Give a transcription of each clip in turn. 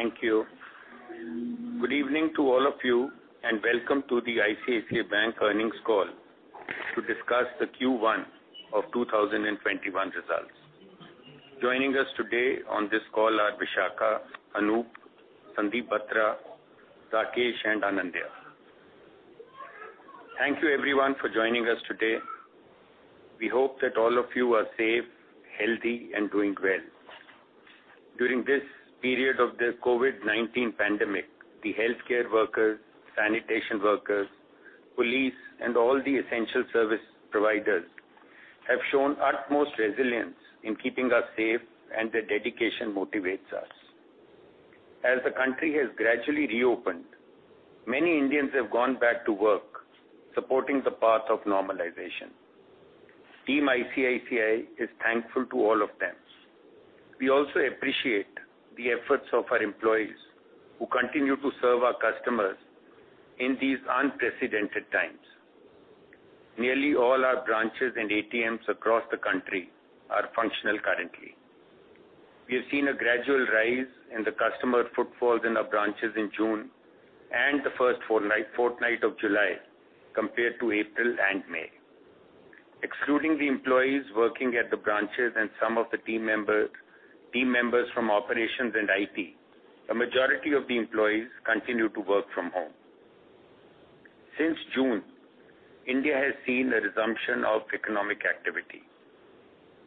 Thank you. Good evening to all of you, and welcome to the ICICI Bank earnings call to discuss the Q1 of 2021 results. Joining us today on this call are Vishakha, Anup, Sandeep Batra, Rakesh, and Anindya. Thank you, everyone, for joining us today. We hope that all of you are safe, healthy, and doing well. During this period of the COVID-19 pandemic, the healthcare workers, sanitation workers, police, and all the essential service providers have shown utmost resilience in keeping us safe, and their dedication motivates us. As the country has gradually reopened, many Indians have gone back to work, supporting the path of normalization. Team ICICI is thankful to all of them. We also appreciate the efforts of our employees who continue to serve our customers in these unprecedented times. Nearly all our branches and ATMs across the country are functional currently. We have seen a gradual rise in the customer footfall in our branches in June and the first fortnight of July compared to April and May. Excluding the employees working at the branches and some of the team members from operations and IT, the majority of the employees continue to work from home. Since June, India has seen a resumption of economic activity.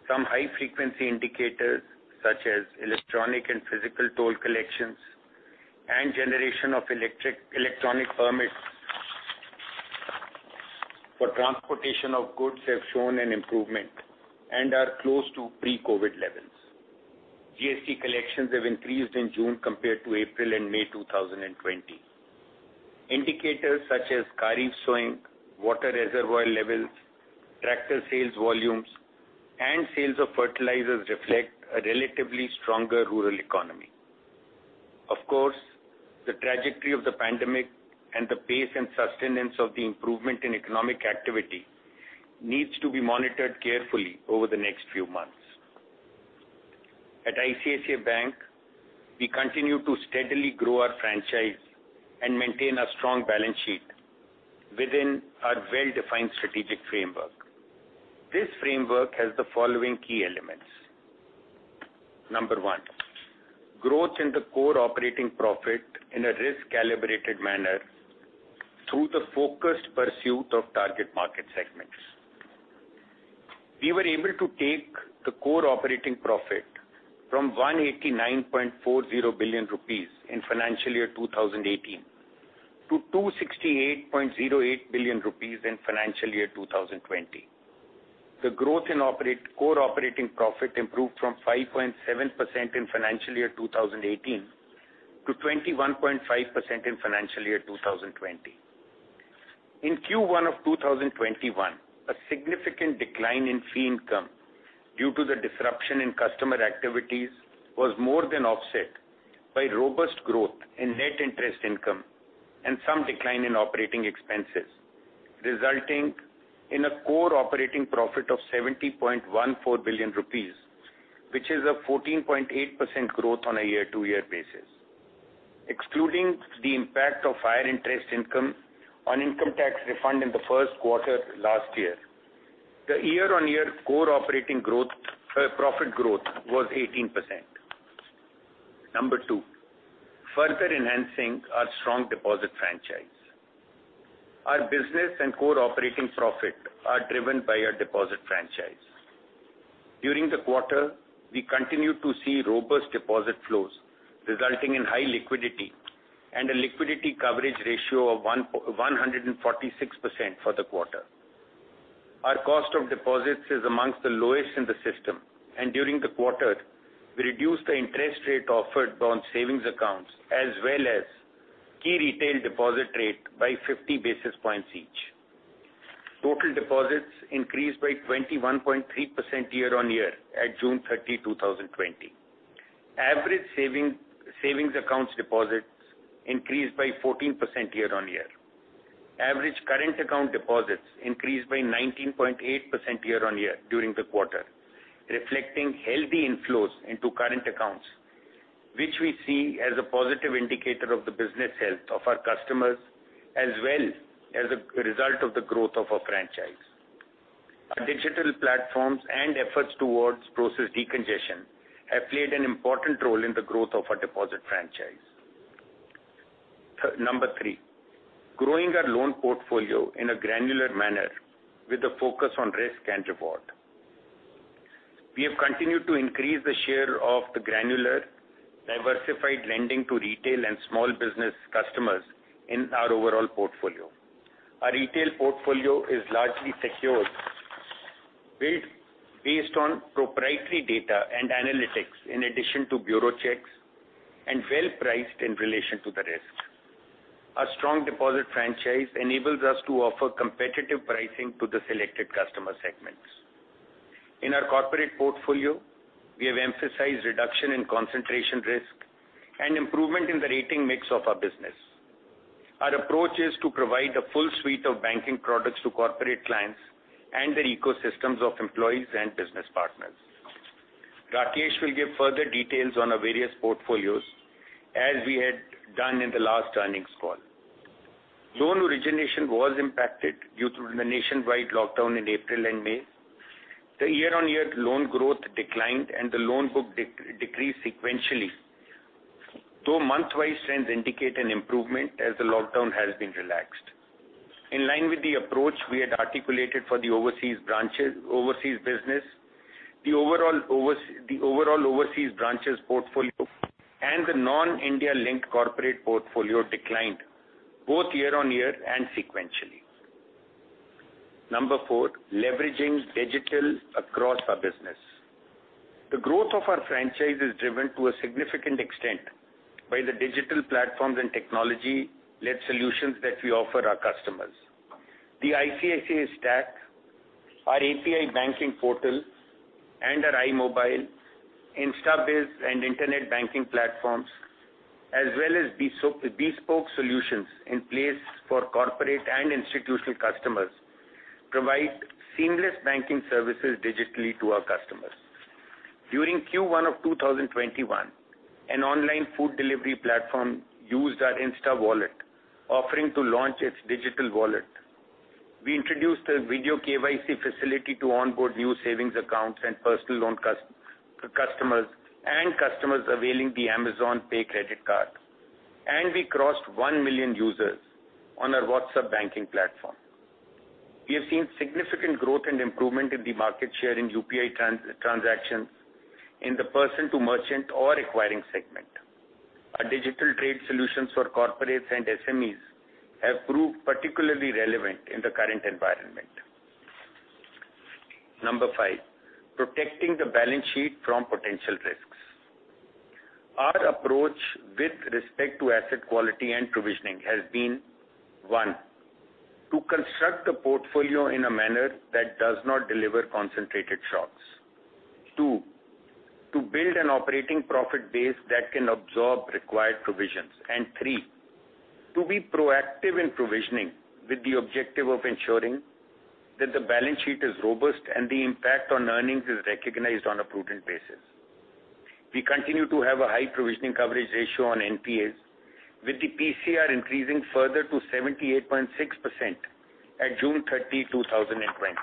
Some high-frequency indicators, such as electronic and physical toll collections and generation of electronic permits for transportation of goods, have shown an improvement and are close to pre-COVID levels. GST collections have increased in June compared to April and May 2020. Indicators such as Kharif sowing, water reservoir levels, tractor sales volumes, and sales of fertilizers reflect a relatively stronger rural economy. Of course, the trajectory of the pandemic and the pace and sustenance of the improvement in economic activity needs to be monitored carefully over the next few months. At ICICI Bank, we continue to steadily grow our franchise and maintain a strong balance sheet within our well-defined strategic framework. This framework has the following key elements: Number one, growth in the core operating profit in a risk-calibrated manner through the focused pursuit of target market segments. We were able to take the core operating profit from 189.40 billion rupees in financial year 2018 to 268.08 billion rupees in financial year 2020. The growth in core operating profit improved from 5.7% in financial year 2018 to 21.5% in financial year 2020. In Q1 of 2021, a significant decline in fee income due to the disruption in customer activities was more than offset by robust growth in net interest income and some decline in operating expenses, resulting in a core operating profit of 70.14 billion rupees, which is a 14.8% growth on a year-to-year basis. Excluding the impact of higher interest income on income tax refund in the first quarter last year, the year-on-year core operating profit growth was 18%. Number two, further enhancing our strong deposit franchise. Our business and core operating profit are driven by our deposit franchise. During the quarter, we continued to see robust deposit flows resulting in high liquidity and a liquidity coverage ratio of 146% for the quarter. Our cost of deposits is among the lowest in the system, and during the quarter, we reduced the interest rate offered on savings accounts as well as key retail deposit rate by 50 basis points each. Total deposits increased by 21.3% year-on-year at June 30, 2020. Average savings accounts deposits increased by 14% year-on-year. Average current account deposits increased by 19.8% year-on-year during the quarter, reflecting healthy inflows into current accounts, which we see as a positive indicator of the business health of our customers as well as a result of the growth of our franchise. Our digital platforms and efforts towards process decongestion have played an important role in the growth of our deposit franchise. Number three, growing our loan portfolio in a granular manner with a focus on risk and reward. We have continued to increase the share of the granular diversified lending to retail and small business customers in our overall portfolio. Our retail portfolio is largely secured, built based on proprietary data and analytics in addition to bureau checks, and well-priced in relation to the risk. Our strong deposit franchise enables us to offer competitive pricing to the selected customer segments. In our corporate portfolio, we have emphasized reduction in concentration risk and improvement in the rating mix of our business. Our approach is to provide a full suite of banking products to corporate clients and the ecosystems of employees and business partners. Rakesh will give further details on our various portfolios, as we had done in the last earnings call. Loan origination was impacted due to the nationwide lockdown in April and May. The year-on-year loan growth declined, and the loan book decreased sequentially, though monthwise trends indicate an improvement as the lockdown has been relaxed. In line with the approach we had articulated for the overseas business, the overall overseas branches portfolio and the non-India linked corporate portfolio declined, both year-on-year and sequentially. Number four, leveraging digital across our business. The growth of our franchise is driven to a significant extent by the digital platforms and technology-led solutions that we offer our customers. The ICICI Stack, our API banking portal, and our iMobile, InstaBiz, and internet banking platforms, as well as bespoke solutions in place for corporate and institutional customers, provide seamless banking services digitally to our customers. During Q1 of 2021, an online food delivery platform used our InstaWallet, offering to launch its digital wallet. We introduced a video KYC facility to onboard new savings accounts and personal loan customers and customers availing the Amazon Pay credit card, and we crossed one million users on our WhatsApp banking platform. We have seen significant growth and improvement in the market share in UPI transactions in the person-to-merchant or acquiring segment. Our digital trade solutions for corporates and SMEs have proved particularly relevant in the current environment. Number five, protecting the balance sheet from potential risks. Our approach with respect to asset quality and provisioning has been, one, to construct the portfolio in a manner that does not deliver concentrated shocks, two, to build an operating profit base that can absorb required provisions, and three, to be proactive in provisioning with the objective of ensuring that the balance sheet is robust and the impact on earnings is recognized on a prudent basis. We continue to have a high provisioning coverage ratio on NPAs, with the PCR increasing further to 78.6% at June 30, 2020.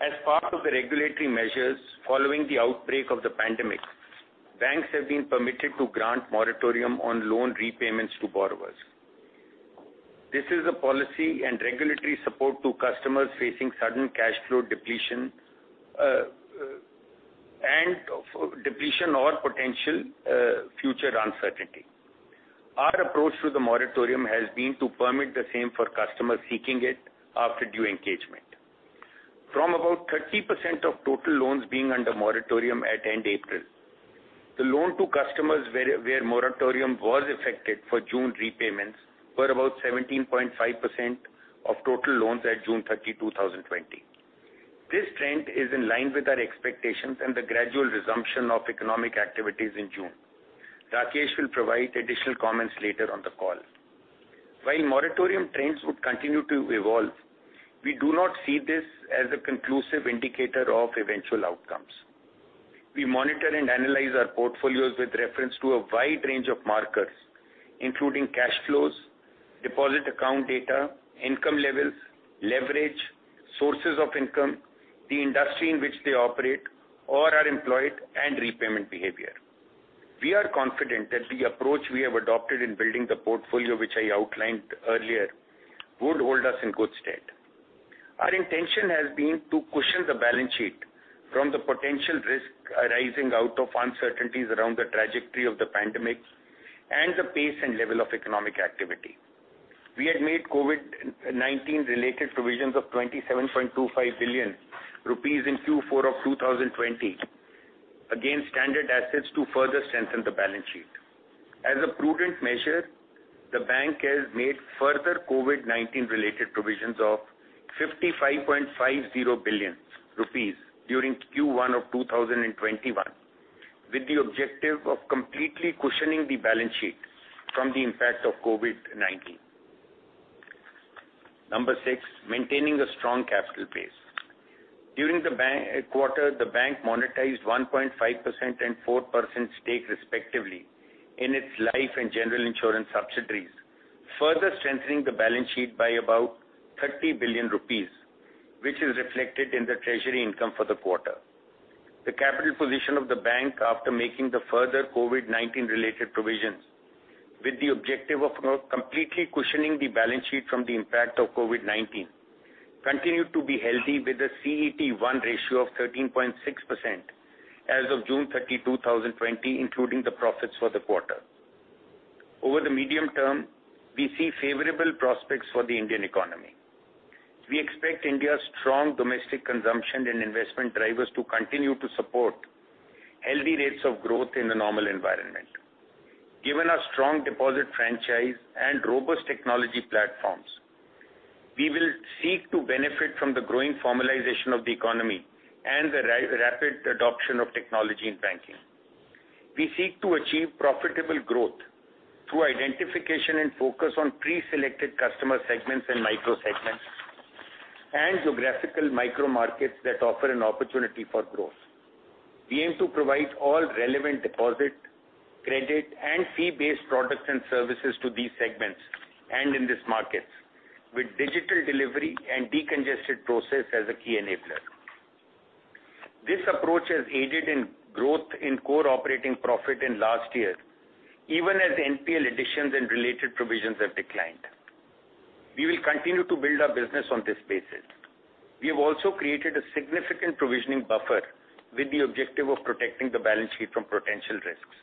As part of the regulatory measures following the outbreak of the pandemic, banks have been permitted to grant moratorium on loan repayments to borrowers. This is a policy and regulatory support to customers facing sudden cash flow depletion and depletion or potential future uncertainty. Our approach to the moratorium has been to permit the same for customers seeking it after due engagement. From about 30% of total loans being under moratorium at end April, the loan to customers where moratorium was effected for June repayments were about 17.5% of total loans at June 30, 2020. This trend is in line with our expectations and the gradual resumption of economic activities in June. Rakesh will provide additional comments later on the call. While moratorium trends would continue to evolve, we do not see this as a conclusive indicator of eventual outcomes. We monitor and analyze our portfolios with reference to a wide range of markers, including cash flows, deposit account data, income levels, leverage, sources of income, the industry in which they operate, or are employed, and repayment behavior. We are confident that the approach we have adopted in building the portfolio, which I outlined earlier, would hold us in good stead. Our intention has been to cushion the balance sheet from the potential risk arising out of uncertainties around the trajectory of the pandemic and the pace and level of economic activity. We had made COVID-19-related provisions of 27.25 billion rupees in Q4 of 2020 against standard assets to further strengthen the balance sheet. As a prudent measure, the bank has made further COVID-19-related provisions of 55.50 billion rupees during Q1 of 2021, with the objective of completely cushioning the balance sheet from the impact of COVID-19. Number six, maintaining a strong capital base. During the quarter, the bank monetized 1.5% and 4% stake, respectively, in its life and general insurance subsidiaries, further strengthening the balance sheet by about 30 billion rupees, which is reflected in the treasury income for the quarter. The capital position of the bank, after making the further COVID-19-related provisions, with the objective of completely cushioning the balance sheet from the impact of COVID-19, continued to be healthy with a CET1 ratio of 13.6% as of June 30, 2020, including the profits for the quarter. Over the medium term, we see favorable prospects for the Indian economy. We expect India's strong domestic consumption and investment drivers to continue to support healthy rates of growth in the normal environment. Given our strong deposit franchise and robust technology platforms, we will seek to benefit from the growing formalization of the economy and the rapid adoption of technology in banking. We seek to achieve profitable growth through identification and focus on pre-selected customer segments and micro-segments and geographical micro-markets that offer an opportunity for growth. We aim to provide all relevant deposit, credit, and fee-based products and services to these segments and in these markets, with digital delivery and decongested process as a key enabler. This approach has aided in growth in core operating profit in last year, even as NPA additions and related provisions have declined. We will continue to build our business on this basis. We have also created a significant provisioning buffer with the objective of protecting the balance sheet from potential risks.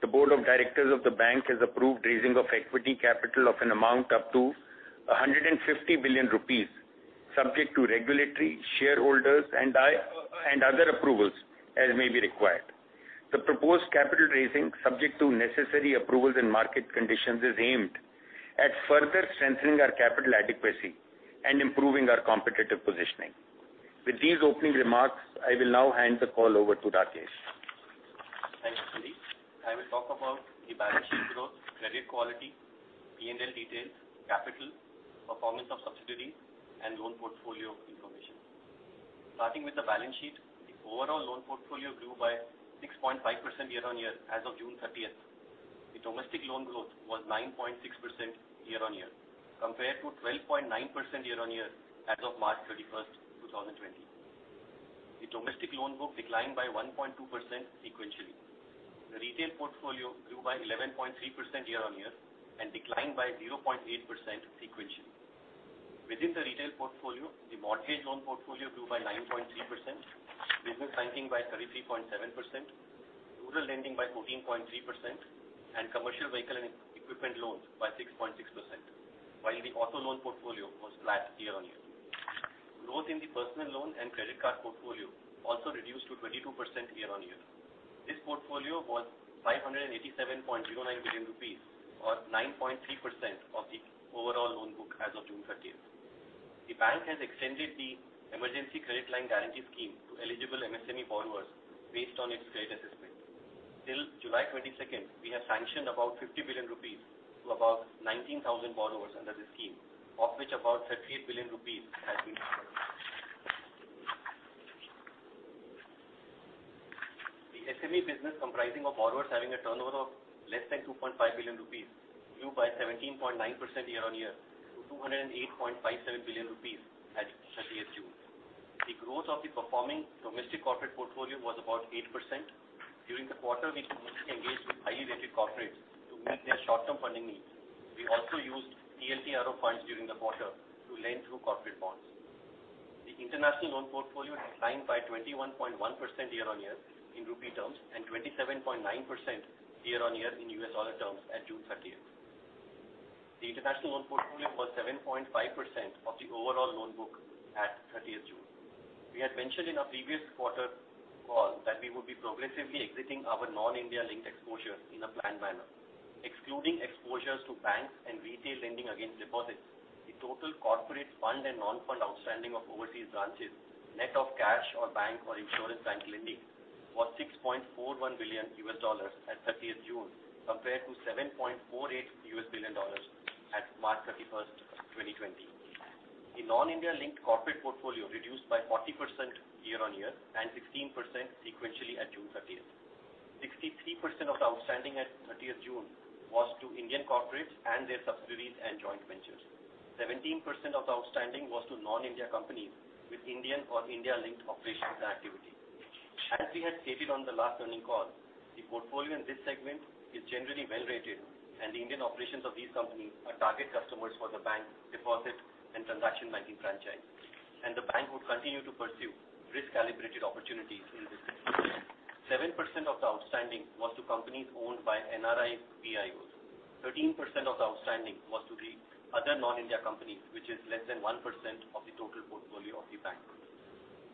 The board of directors of the bank has approved raising of equity capital of an amount up to 150 billion rupees, subject to regulatory, shareholders, and other approvals as may be required. The proposed capital raising, subject to necessary approvals and market conditions, is aimed at further strengthening our capital adequacy and improving our competitive positioning. With these opening remarks, I will now hand the call over to Rakesh. Thank you, Sandeep. I will talk about the balance sheet growth, credit quality, P&L details, capital, performance of subsidiaries, and loan portfolio information. Starting with the balance sheet, the overall loan portfolio grew by 6.5% year-on-year as of June 30. The domestic loan growth was 9.6% year-on-year, compared to 12.9% year-on-year as of March 31, 2020. The domestic loan book declined by 1.2% sequentially. The retail portfolio grew by 11.3% year-on-year and declined by 0.8% sequentially. Within the retail portfolio, the mortgage loan portfolio grew by 9.3%, business banking by 33.7%, rural lending by 14.3%, and commercial vehicle and equipment loans by 6.6%, while the auto loan portfolio was flat year-on-year. Growth in the personal loan and credit card portfolio also reduced to 22% year-on-year. This portfolio was 587.09 billion rupees, or 9.3% of the overall loan book as of June 30. The bank has extended the emergency credit line guarantee scheme to eligible MSME borrowers based on its credit assessment. Till July 22, we have sanctioned about 50 billion rupees to about 19,000 borrowers under the scheme, of which about 38 billion rupees has been recovered. The SME business, comprising of borrowers having a turnover of less than 2.5 billion rupees, grew by 17.9% year-on-year to 208.57 billion rupees as of 30 June. The growth of the performing domestic corporate portfolio was about 8%. During the quarter, we engaged with highly rated corporates to meet their short-term funding needs. We also used TLTRO funds during the quarter to lend through corporate bonds. The international loan portfolio declined by 21.1% year-on-year in rupee terms and 27.9% year-on-year in US dollar terms at June 30. The international loan portfolio was 7.5% of the overall loan book at 30 June. We had mentioned in our previous quarter call that we would be progressively exiting our non-India linked exposure in a planned manner. Excluding exposures to banks and retail lending against deposits, the total corporate fund and non-fund outstanding of overseas branches, net of cash or bank or insurance bank lending, was $6.41 billion at 30 June, compared to $7.48 billion at March 31, 2020. The non-India linked corporate portfolio reduced by 40% year-on-year and 16% sequentially at June 30. 63% of the outstanding at 30 June was to Indian corporates and their subsidiaries and joint ventures. 17% of the outstanding was to non-India companies with Indian or India linked operations and activity. As we had stated on the last earnings call, the portfolio in this segment is generally well-rated, and the Indian operations of these companies are target customers for the bank, deposit, and transaction banking franchise, and the bank would continue to pursue risk-calibrated opportunities in this segment. 7% of the outstanding was to companies owned by NRI PIOs. 13% of the outstanding was to the other non-India companies, which is less than 1% of the total portfolio of the bank.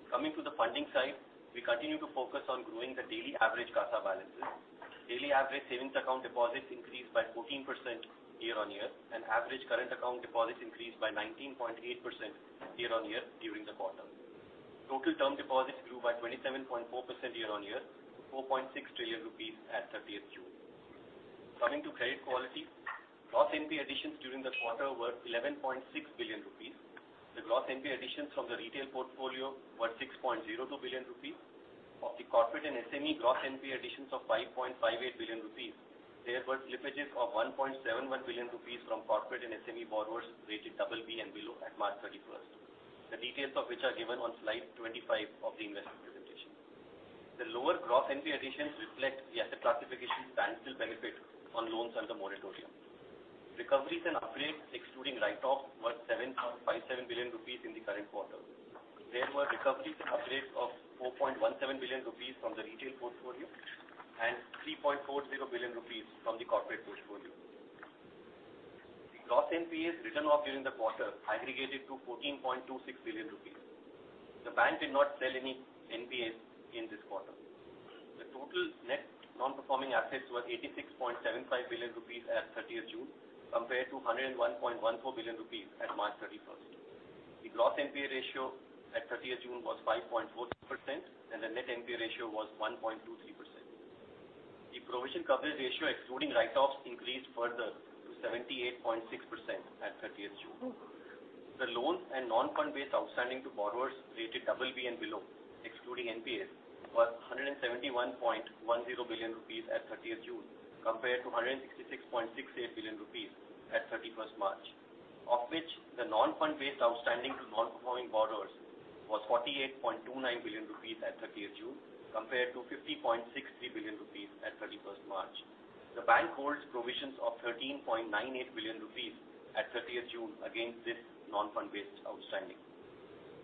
Coming to the funding side, we continue to focus on growing the daily average CASA balances. Daily average savings account deposits increased by 14% year-on-year, and average current account deposits increased by 19.8% year-on-year during the quarter. Total term deposits grew by 27.4% year-on-year to 4.6 trillion rupees at 30 June. Coming to credit quality, gross NPA additions during the quarter were 11.6 billion rupees. The gross NPA additions from the retail portfolio were 6.02 billion rupees. Of the corporate and SME gross NPA additions of 5.58 billion rupees, there were slippages of 1.71 billion rupees from corporate and SME borrowers rated BB and below at March 31, the details of which are given on slide 25 of the investment presentation. The lower gross NPA additions reflect the asset classification standstill benefit on loans under moratorium. Recoveries and upgrades, excluding write-offs, were 7.57 billion rupees in the current quarter. There were recoveries and upgrades of 4.17 billion rupees from the retail portfolio and 3.40 billion rupees from the corporate portfolio. The gross NPAs written off during the quarter aggregated to 14.26 billion rupees. The bank did not sell any NPAs in this quarter. The total net non-performing assets were 86.75 billion rupees at 30 June, compared to 101.14 billion rupees at March 31. The gross NPA ratio at 30 June was 5.4%, and the net NPA ratio was 1.23%. The provision coverage ratio, excluding write-offs, increased further to 78.6% at 30 June. The loans and non-fund-based outstanding to borrowers rated BB and below, excluding NPAs, were 171.10 billion rupees at 30 June, compared to 166.68 billion rupees at 31 March, of which the non-fund-based outstanding to non-performing borrowers was 48.29 billion rupees at 30 June, compared to 50.63 billion rupees at 31 March. The bank holds provisions of 13.98 billion rupees at 30 June against this non-fund-based outstanding.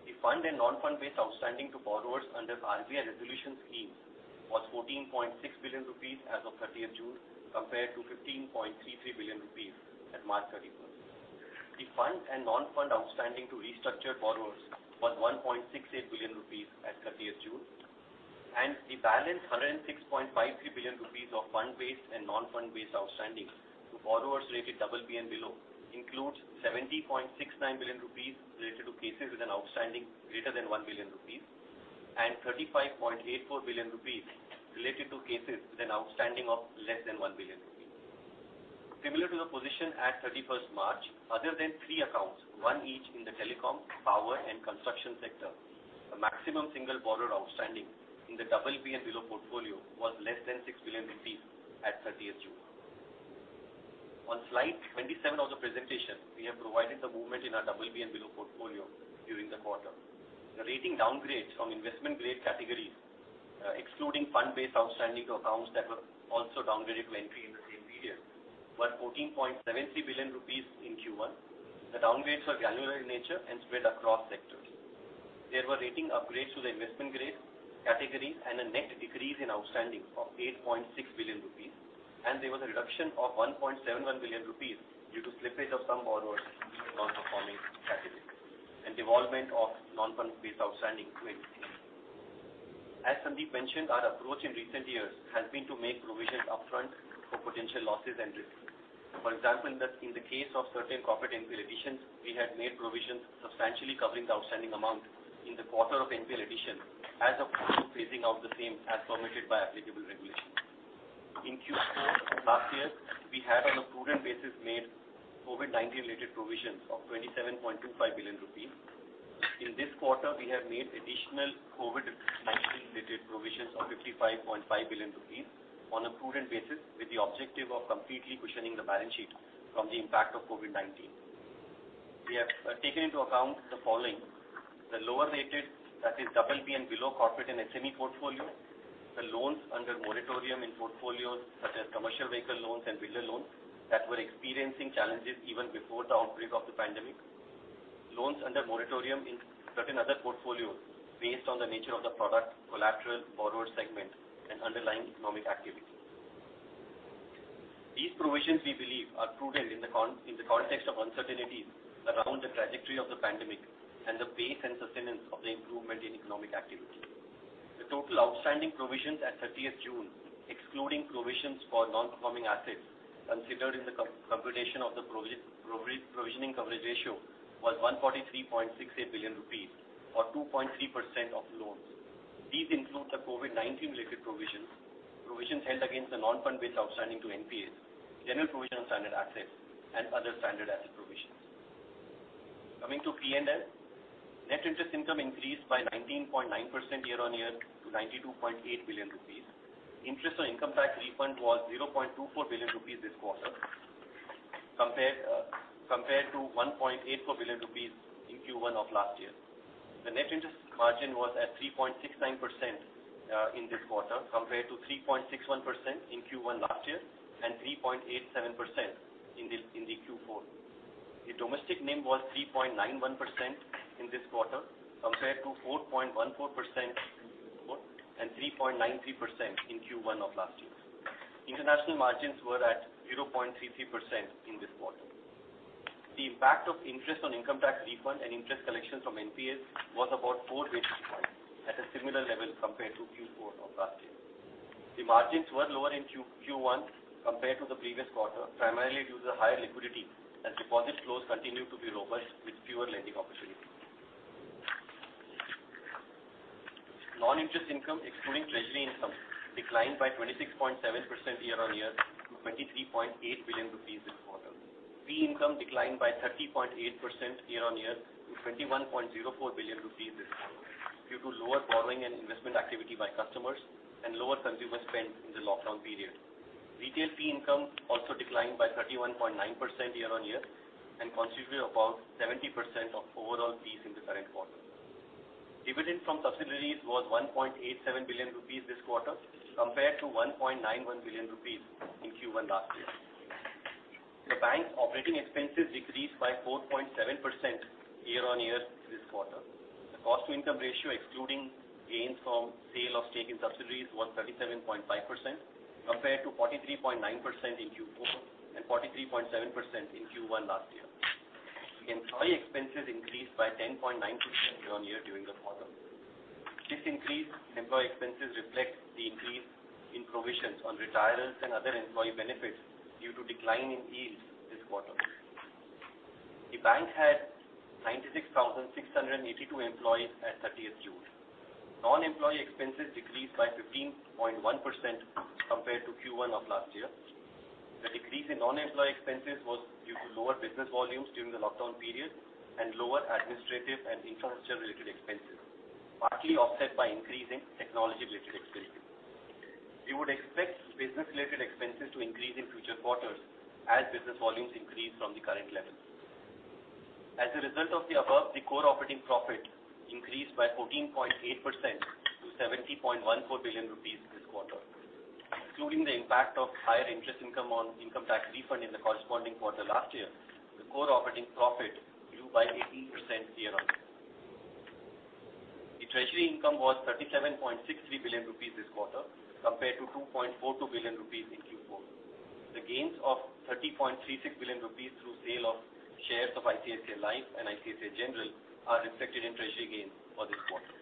The fund and non-fund-based outstanding to borrowers under RBI resolution schemes was 14.6 billion rupees as of 30 June, compared to 15.33 billion rupees at March 31. The fund and non-fund outstanding to restructured borrowers was 1.68 billion rupees at 30 June, and the balance 106.53 billion rupees of fund-based and non-fund-based outstanding to borrowers rated BB and below includes 70.69 billion rupees related to cases with an outstanding greater than 1 billion rupees and 35.84 billion rupees related to cases with an outstanding of less than 1 billion rupees. Similar to the position at 31 March, other than three accounts, one each in the telecom, power, and construction sector, the maximum single borrower outstanding in the BB and below portfolio was less than 6 billion rupees at 30 June. On slide 27 of the presentation, we have provided the movement in our BB and below portfolio during the quarter. The rating downgrade from investment-grade categories, excluding fund-based outstanding to accounts that were also downgraded to NPA in the same period, was 14.73 billion rupees in Q1. The downgrades were granular in nature and spread across sectors. There were rating upgrades to the investment-grade categories and a net decrease in outstanding of 8.6 billion rupees, and there was a reduction of 1.71 billion rupees due to slippage of some borrowers in non-performing categories and devolvement of non-fund-based outstanding to NPA. As Sandeep mentioned, our approach in recent years has been to make provisions upfront for potential losses and risks. For example, in the case of certain corporate NPA additions, we had made provisions substantially covering the outstanding amount in the quarter of NPA addition as of Q2, phasing out the same as permitted by applicable regulations. In Q4 last year, we had, on a prudent basis, made COVID-19-related provisions of 27.25 billion rupees. In this quarter, we have made additional COVID-19-related provisions of 55.5 billion rupees on a prudent basis with the objective of completely cushioning the balance sheet from the impact of COVID-19. We have taken into account the following: the lower-rated, that is, BB and below corporate and SME portfolio, the loans under moratorium in portfolios such as commercial vehicle loans and builder loans that were experiencing challenges even before the outbreak of the pandemic, loans under moratorium in certain other portfolios based on the nature of the product collateral borrower segment and underlying economic activity. These provisions, we believe, are prudent in the context of uncertainties around the trajectory of the pandemic and the pace and sustenance of the improvement in economic activity. The total outstanding provisions at 30 June, excluding provisions for non-performing assets considered in the computation of the provisioning coverage ratio, was 143.68 billion rupees or 2.3% of loans. These include the COVID-19-related provisions, provisions held against the non-fund-based outstanding to NPAs, general provision on standard assets, and other standard asset provisions. Coming to P&L, net interest income increased by 19.9% year-on-year to 92.8 billion rupees. Interest on income tax refund was 0.24 billion rupees this quarter, compared to 1.84 billion rupees in Q1 of last year. The net interest margin was at 3.69% in this quarter, compared to 3.61% in Q1 last year and 3.87% in the Q4. The domestic NIM was 3.91% in this quarter, compared to 4.14% in Q4 and 3.93% in Q1 of last year. International margins were at 0.33% in this quarter. The impact of interest on income tax refund and interest collections from NPAs was about 4 basis points at a similar level compared to Q4 of last year. The margins were lower in Q1 compared to the previous quarter, primarily due to the higher liquidity as deposit flows continued to be robust with fewer lending opportunities. Non-interest income, excluding treasury income, declined by 26.7% year-on-year to 23.8 billion rupees this quarter. Fee income declined by 30.8% year-on-year to 21.04 billion rupees this quarter due to lower borrowing and investment activity by customers and lower consumer spend in the lockdown period. Retail fee income also declined by 31.9% year-on-year and constituted about 70% of overall fees in the current quarter. Dividend from subsidiaries was 1.87 billion rupees this quarter, compared to 1.91 billion rupees in Q1 last year. The bank's operating expenses decreased by 4.7% year-on-year this quarter. The cost-to-income ratio, excluding gains from sale of stake in subsidiaries, was 37.5%, compared to 43.9% in Q4 and 43.7% in Q1 last year. Employee expenses increased by 10.9% year-on-year during the quarter. This increase in employee expenses reflects the increase in provisions on retirees and other employee benefits due to decline in yields this quarter. The bank had 96,682 employees at 30 June. Non-employee expenses decreased by 15.1% compared to Q1 of last year. The decrease in non-employee expenses was due to lower business volumes during the lockdown period and lower administrative and infrastructure-related expenses, partly offset by increase in technology-related expenses. We would expect business-related expenses to increase in future quarters as business volumes increase from the current level. As a result of the above, the core operating profit increased by 14.8% to 70.14 billion rupees this quarter. Excluding the impact of higher interest income on income tax refund in the corresponding quarter last year, the core operating profit grew by 18% year-on-year. The treasury income was 37.63 billion rupees this quarter, compared to 2.42 billion rupees in Q4. The gains of 30.36 billion rupees through sale of shares of ICICI Life and ICICI General are reflected in treasury gains for this quarter.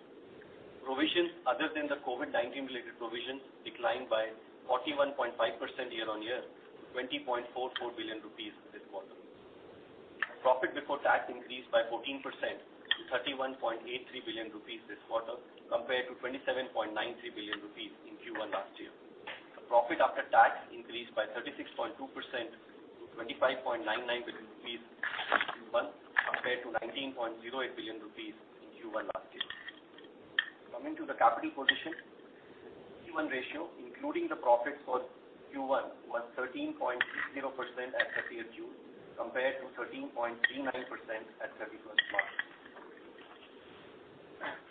Provisions other than the COVID-19-related provisions declined by 41.5% year-on-year to 20.44 billion rupees this quarter. Profit before tax increased by 14% to 31.83 billion rupees this quarter, compared to 27.93 billion rupees in Q1 last year. The profit after tax increased by 36.2% to 25.99 billion rupees this quarter, compared to 19.08 billion rupees in Q1 last year. Coming to the capital position, the Tier 1 ratio, including the profits for Q1, was 13.60% at 30 June, compared to 13.39% at 31 March.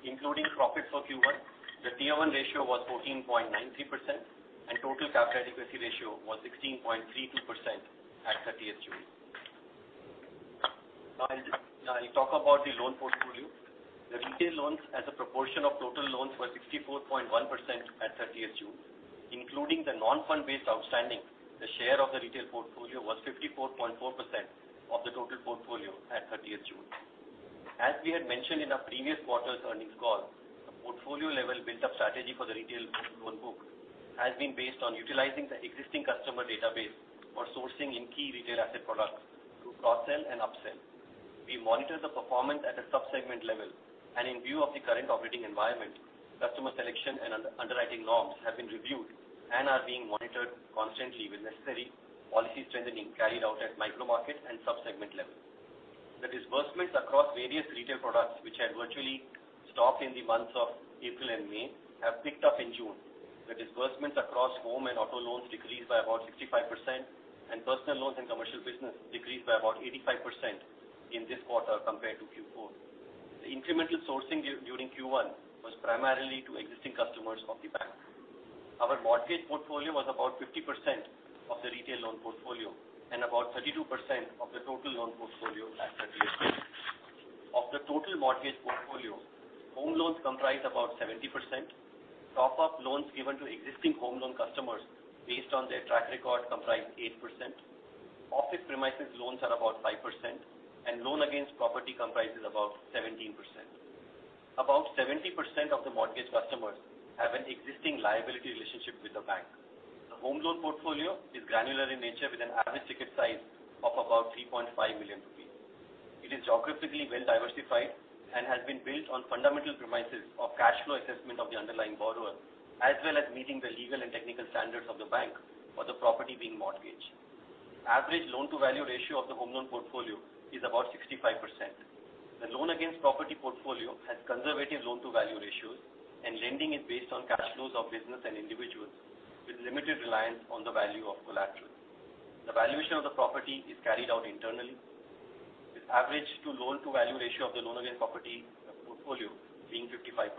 Including profits for Q1, the T1 ratio was 14.93%, and total capital adequacy ratio was 16.32% at 30 June. I'll talk about the loan portfolio. The retail loans, as a proportion of total loans, were 64.1% at 30 June. Including the non-fund-based outstanding, the share of the retail portfolio was 54.4% of the total portfolio at 30 June. As we had mentioned in our previous quarter's earnings call, the portfolio-level build-up strategy for the retail loan book has been based on utilizing the existing customer database for sourcing in key retail asset products through cross-sell and up-sell. We monitor the performance at a subsegment level, and in view of the current operating environment, customer selection and underwriting norms have been reviewed and are being monitored constantly with necessary policy strengthening carried out at micro-market and subsegment level. The disbursements across various retail products, which had virtually stopped in the months of April and May, have picked up in June. The disbursements across home and auto loans decreased by about 65%, and personal loans and commercial business decreased by about 85% in this quarter compared to Q4. The incremental sourcing during Q1 was primarily to existing customers of the bank. Our mortgage portfolio was about 50% of the retail loan portfolio and about 32% of the total loan portfolio at 30 June. Of the total mortgage portfolio, home loans comprise about 70%. Top-up loans given to existing home loan customers based on their track record comprise 8%. Office premises loans are about 5%, and loan against property comprises about 17%. About 70% of the mortgage customers have an existing liability relationship with the bank. The home loan portfolio is granular in nature with an average ticket size of about 3.5 million rupees. It is geographically well-diversified and has been built on fundamental premises of cash flow assessment of the underlying borrower, as well as meeting the legal and technical standards of the bank for the property being mortgaged. Average loan-to-value ratio of the home loan portfolio is about 65%. The loan against property portfolio has conservative loan-to-value ratios, and lending is based on cash flows of business and individuals with limited reliance on the value of collateral. The valuation of the property is carried out internally, with average loan-to-value ratio of the loan against property portfolio being 55%.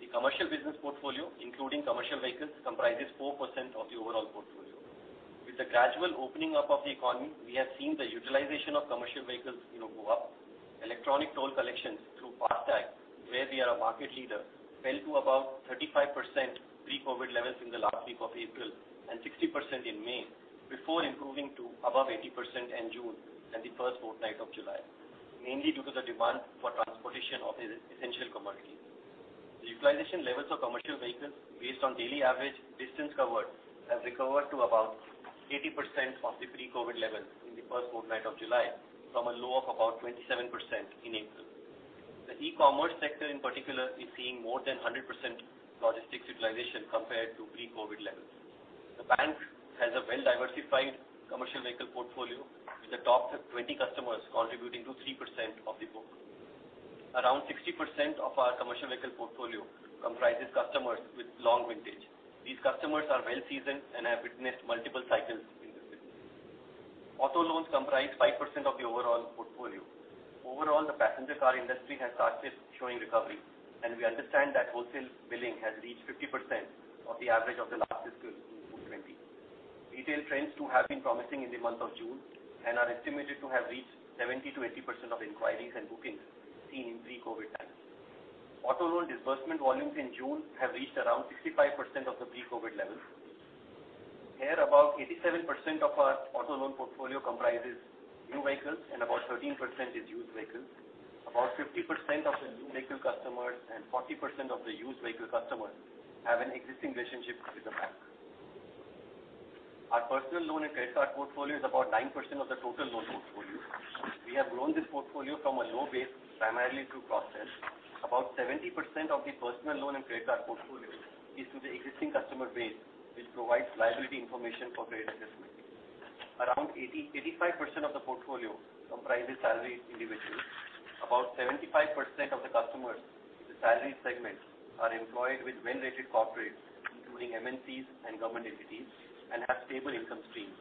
The commercial business portfolio, including commercial vehicles, comprises 4% of the overall portfolio. With the gradual opening up of the economy, we have seen the utilization of commercial vehicles go up. Electronic toll collections through FASTag, where we are a market leader, fell to about 35% pre-COVID levels in the last week of April and 60% in May, before improving to above 80% in June and the first fortnight of July, mainly due to the demand for transportation of essential commodities. The utilization levels of commercial vehicles based on daily average distance covered have recovered to about 80% of the pre-COVID levels in the first fortnight of July from a low of about 27% in April. The e-commerce sector, in particular, is seeing more than 100% logistics utilization compared to pre-COVID levels. The bank has a well-diversified commercial vehicle portfolio, with the top 20 customers contributing to 3% of the book. Around 60% of our commercial vehicle portfolio comprises customers with long vintage. These customers are well-seasoned and have witnessed multiple cycles in the business. Auto loans comprise 5% of the overall portfolio. Overall, the passenger car industry has started showing recovery, and we understand that wholesale billing has reached 50% of the average of the last fiscal year in 2020. Retail trends, too, have been promising in the month of June and are estimated to have reached 70%-80% of inquiries and bookings seen in pre-COVID times. Auto loan disbursement volumes in June have reached around 65% of the pre-COVID levels. Here, about 87% of our auto loan portfolio comprises new vehicles, and about 13% is used vehicles. About 50% of the new vehicle customers and 40% of the used vehicle customers have an existing relationship with the bank. Our personal loan and credit card portfolio is about 9% of the total loan portfolio. We have grown this portfolio from a low base, primarily through cross-sell. About 70% of the personal loan and credit card portfolio is to the existing customer base, which provides liability information for credit assessment. Around 85% of the portfolio comprises salaried individuals. About 75% of the customers in the salaried segment are employed with well-rated corporates, including MNCs and government entities, and have stable income streams.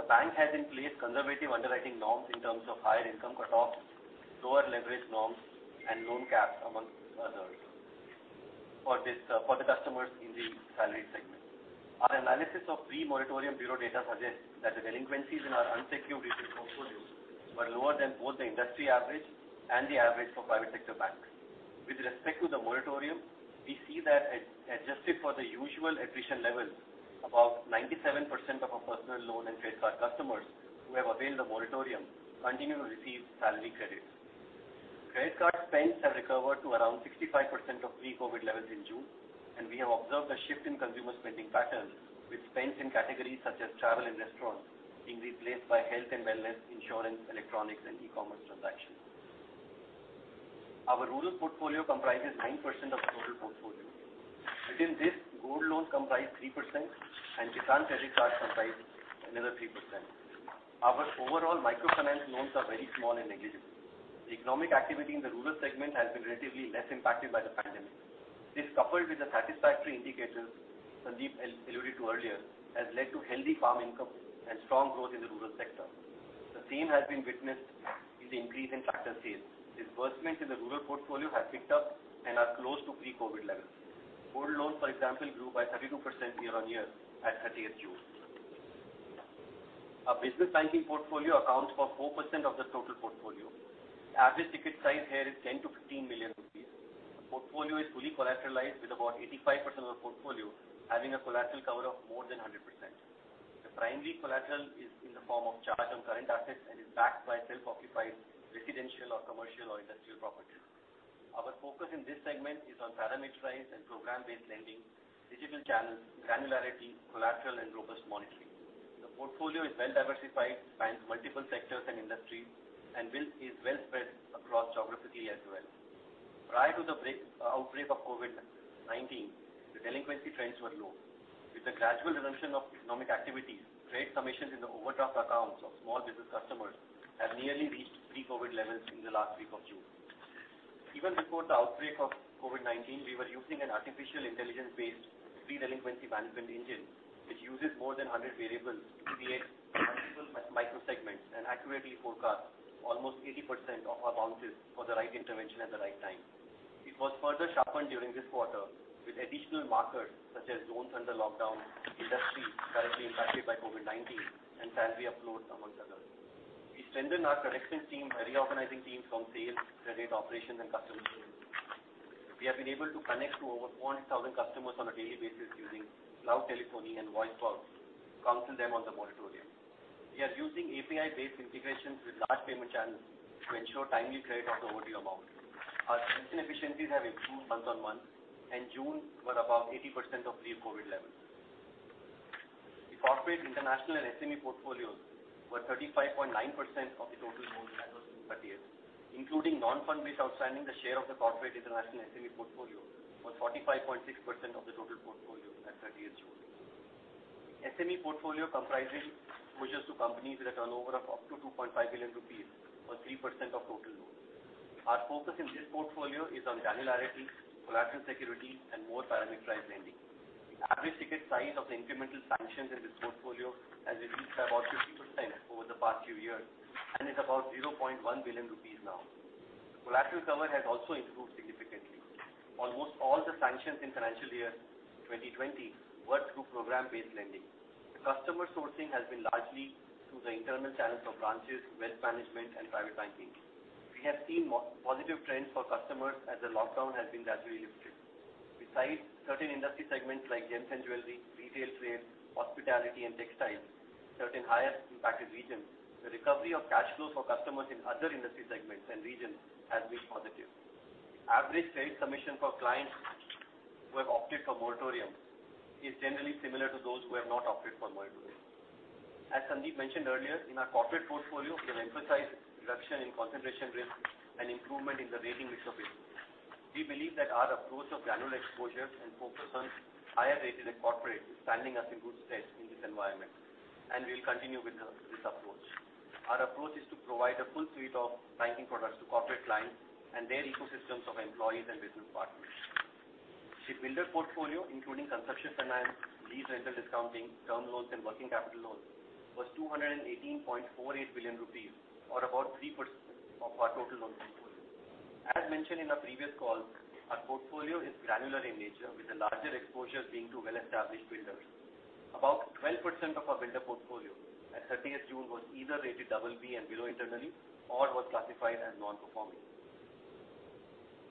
The bank has in place conservative underwriting norms in terms of higher income cutoffs, lower leverage norms, and loan caps, among others, for the customers in the salaried segment. Our analysis of pre-moratorium Bureau data suggests that the delinquencies in our unsecured retail portfolio were lower than both the industry average and the average for private sector banks. With respect to the moratorium, we see that, adjusted for the usual attrition levels, about 97% of our personal loan and credit card customers who have availed the moratorium continue to receive salary credits. Credit card spends have recovered to around 65% of pre-COVID levels in June, and we have observed a shift in consumer spending patterns, with spends in categories such as travel and restaurants being replaced by health and wellness, insurance, electronics, and e-commerce transactions. Our rural portfolio comprises 9% of the total portfolio. Within this, gold loans comprise 3%, and Kisan Credit Card comprises another 3%. Our overall microfinance loans are very small and negligible. Economic activity in the rural segment has been relatively less impacted by the pandemic. This, coupled with the satisfactory indicators Sandeep alluded to earlier, has led to healthy farm income and strong growth in the rural sector. The same has been witnessed in the increase in tractor sales. Disbursements in the rural portfolio have picked up and are close to pre-COVID levels. Gold loans, for example, grew by 32% year-on-year at 30 June. Our business banking portfolio accounts for 4% of the total portfolio. The average ticket size here is 10-15 million rupees. The portfolio is fully collateralized, with about 85% of the portfolio having a collateral cover of more than 100%. The primary collateral is in the form of charge on current assets and is backed by self-occupied residential or commercial or industrial properties. Our focus in this segment is on parameterized and program-based lending, digital channels, granularity, collateral, and robust monitoring. The portfolio is well-diversified, spans multiple sectors and industries, and is well spread across geographically as well. Prior to the outbreak of COVID-19, the delinquency trends were low. With the gradual redemption of economic activities, trade commissions in the overdraft accounts of small business customers have nearly reached pre-COVID levels in the last week of June. Even before the outbreak of COVID-19, we were using an artificial intelligence-based pre-delinquency management engine, which uses more than 100 variables to create multiple micro-segments and accurately forecast almost 80% of our bounces for the right intervention at the right time. It was further sharpened during this quarter with additional markers such as zones under lockdown, industry directly impacted by COVID-19, and salary uploads, among others. We strengthened our corrections team, reorganizing teams from sales, credit, operations, and customer service. We have been able to connect to over 1,000 customers on a daily basis using cloud telephony and voice calls to counsel them on the moratorium. We are using API-based integrations with large payment channels to ensure timely credit of the overdue amount. Our spending efficiencies have improved month on month, and June was about 80% of pre-COVID levels. The corporate international and SME portfolios were 35.9% of the total loans as of 30th, including non-fund-based outstanding. The share of the corporate international SME portfolio was 45.6% of the total portfolio at 30 June. The SME portfolio comprises exposures to companies with a turnover of up to 2.5 million rupees for 3% of total loans. Our focus in this portfolio is on granularity, collateral security, and more parameterized lending. The average ticket size of the incremental sanctions in this portfolio has reduced by about 50% over the past few years and is about 0.1 billion rupees now. Collateral cover has also improved significantly. Almost all the sanctions in financial year 2020 were through program-based lending. The customer sourcing has been largely through the internal channels of branches, wealth management, and private banking. We have seen positive trends for customers as the lockdown has been gradually lifted. Besides certain industry segments like gems and jewelry, retail trade, hospitality, and textiles, certain highest impacted regions, the recovery of cash flows for customers in other industry segments and regions has been positive. The average trade commission for clients who have opted for moratorium is generally similar to those who have not opted for moratorium. As Sandeep mentioned earlier, in our corporate portfolio, we have emphasized reduction in concentration risk and improvement in the rating mix of business. We believe that our approach of granular exposure and focus on higher-rated corporates is standing us in good stead in this environment, and we will continue with this approach. Our approach is to provide a full suite of banking products to corporate clients and their ecosystems of employees and business partners. The builder portfolio, including consumption finance, lease rental discounting, term loans, and working capital loans, was 218.48 billion rupees, or about 3% of our total loan portfolio. As mentioned in our previous call, our portfolio is granular in nature, with the larger exposures being to well-established builders. About 12% of our builder portfolio at 30 June was either rated BB and below internally or was classified as non-performing.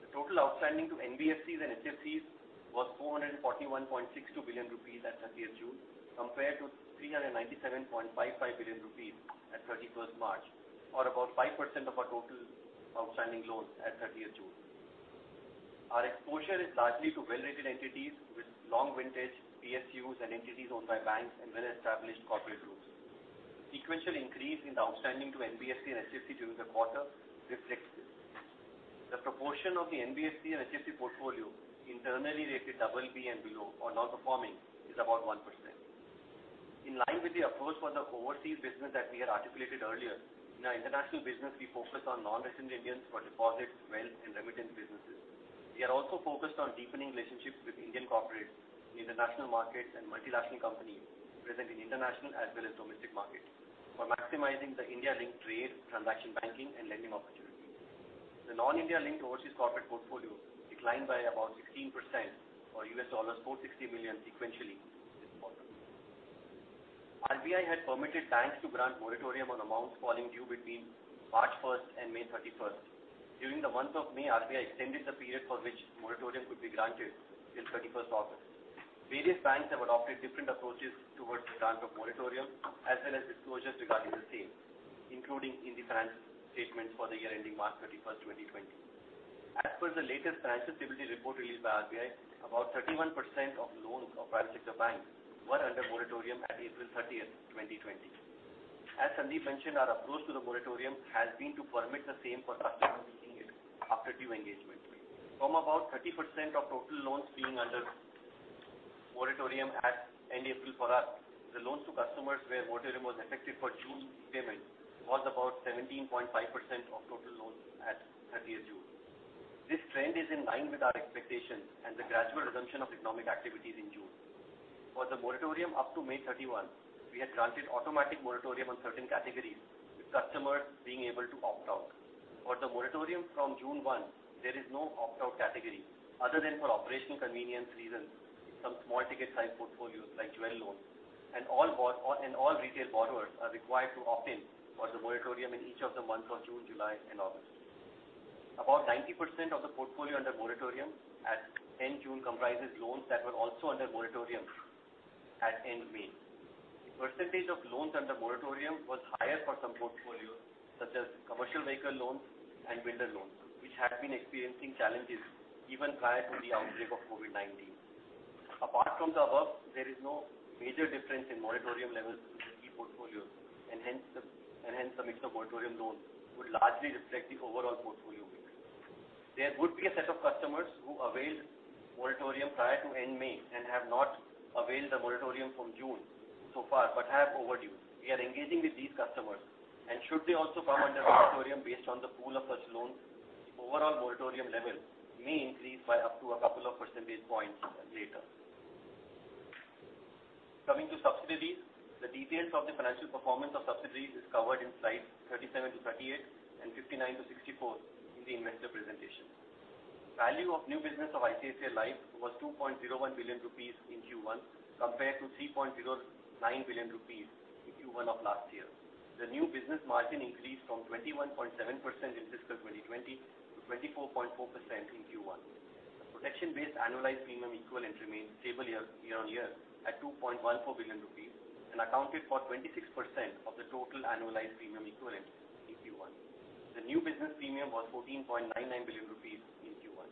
The total outstanding to NBFCs and HFCs was 441.62 billion rupees at 30 June, compared to 397.55 billion rupees at 31 March, or about 5% of our total outstanding loans at 30 June. Our exposure is largely to well-rated entities with long vintage, PSUs, and entities owned by banks and well-established corporate groups. The sequential increase in the outstanding to NBFC and HFC during the quarter reflects this. The proportion of the NBFC and HFC portfolio internally rated BB and below or non-performing is about 1%. In line with the approach for the overseas business that we had articulated earlier, in our international business, we focus on non-resident Indians for deposits, wealth, and remittance businesses. We are also focused on deepening relationships with Indian corporates in international markets and multinational companies present in international as well as domestic markets for maximizing the India-linked trade, transaction banking, and lending opportunities. The non-India-linked overseas corporate portfolio declined by about 16%, or $460 million, sequentially this quarter. RBI had permitted banks to grant moratorium on amounts falling due between March 1 and May 31. During the month of May, RBI extended the period for which moratorium could be granted till 31 August. Various banks have adopted different approaches towards the grant of moratorium as well as disclosures regarding the same, including in the financial statements for the year ending March 31, 2020. As per the latest financial stability report released by RBI, about 31% of loans of private sector banks were under moratorium at April 30, 2020. As Sandeep mentioned, our approach to the moratorium has been to permit the same for customers seeking it after due engagement. From about 30% of total loans being under moratorium at end April for us, the loans to customers where moratorium was effective for June repayment was about 17.5% of total loans at 30 June. This trend is in line with our expectations and the gradual resumption of economic activities in June. For the moratorium up to May 31, we had granted automatic moratorium on certain categories, with customers being able to opt out. For the moratorium from June 1, there is no opt-out category other than for operational convenience reasons in some small ticket size portfolios like Jewel Loans, and all retail borrowers are required to opt in for the moratorium in each of the months of June, July, and August. About 90% of the portfolio under moratorium at end June comprises loans that were also under moratorium at end May. The percentage of loans under moratorium was higher for some portfolios, such as commercial vehicle loans and builder loans, which had been experiencing challenges even prior to the outbreak of COVID-19. Apart from the above, there is no major difference in moratorium levels in key portfolios, and hence the mix of moratorium loans would largely reflect the overall portfolio mix. There would be a set of customers who availed moratorium prior to end May and have not availed the moratorium from June so far but have overdues. We are engaging with these customers, and should they also come under moratorium based on the pool of such loans, overall moratorium levels may increase by up to a couple of percentage points later. Coming to subsidiaries, the details of the financial performance of subsidiaries is covered in slides 37-38 and 59-64 in the investor presentation. Value of new business of ICICI Life was 2.01 billion rupees in Q1 compared to 3.09 billion rupees in Q1 of last year. The new business margin increased from 21.7% in fiscal 2020 to 24.4% in Q1. The protection-based annualized premium equivalent remained stable year-on-year at 2.14 billion rupees and accounted for 26% of the total annualized premium equivalent in Q1. The new business premium was 14.99 billion rupees in Q1.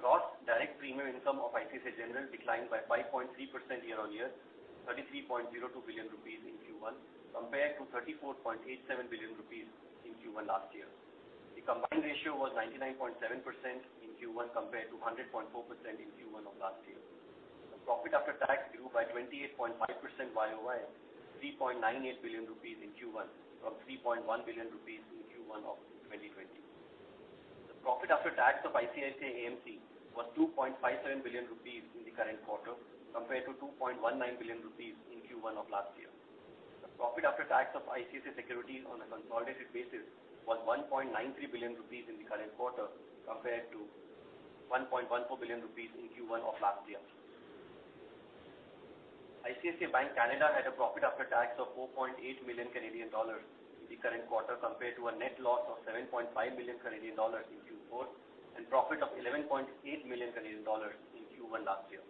Gross direct premium income of ICICI General declined by 5.3% year-on-year, 33.02 billion rupees in Q1 compared to 34.87 billion rupees in Q1 last year. The combined ratio was 99.7% in Q1 compared to 100.4% in Q1 of last year. The profit after tax grew by 28.5% YOY, 3.98 billion rupees in Q1 from 3.1 billion rupees in Q1 of 2020. The profit after tax of ICICI AMC was 2.57 billion rupees in the current quarter compared to 2.19 billion rupees in Q1 of last year. The profit after tax of ICICI Securities on a consolidated basis was 1.93 billion rupees in the current quarter compared to 1.14 billion rupees in Q1 of last year. ICICI Bank Canada had a profit after tax of 4.8 million Canadian dollars in the current quarter compared to a net loss of 7.5 million Canadian dollars in Q4 and profit of 11.8 million Canadian dollars in Q1 last year.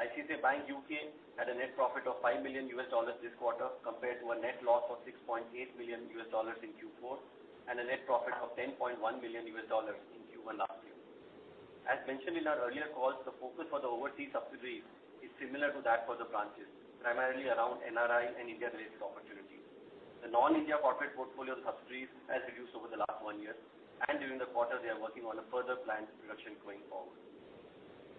ICICI Bank UK had a net profit of $5 million this quarter compared to a net loss of $6.8 million in Q4 and a net profit of $10.1 million in Q1 last year. As mentioned in our earlier calls, the focus for the overseas subsidiaries is similar to that for the branches, primarily around NRI and India-related opportunities. The non-India corporate portfolio of the subsidiaries has reduced over the last one year, and during the quarter, they are working on a further planned reduction going forward.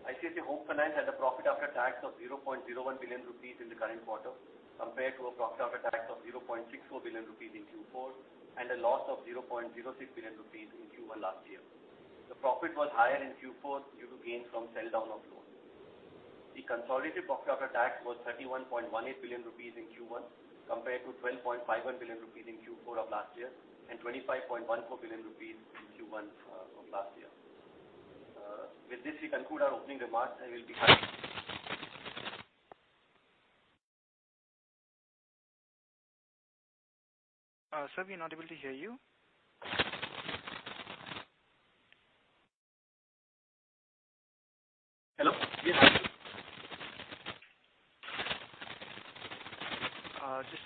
ICICI Home Finance had a profit after tax of 0.01 billion rupees in the current quarter compared to a profit after tax of 0.64 billion rupees in Q4 and a loss of 0.06 billion rupees in Q1 last year. The profit was higher in Q4 due to gains from sell-down of loans. The consolidated profit after tax was 31.18 billion rupees in Q1 compared to 12.51 billion rupees in Q4 of last year and 25.14 billion rupees in Q1 of last year. With this, we conclude our opening remarks. I will be happy. Sir, we are not able to hear you.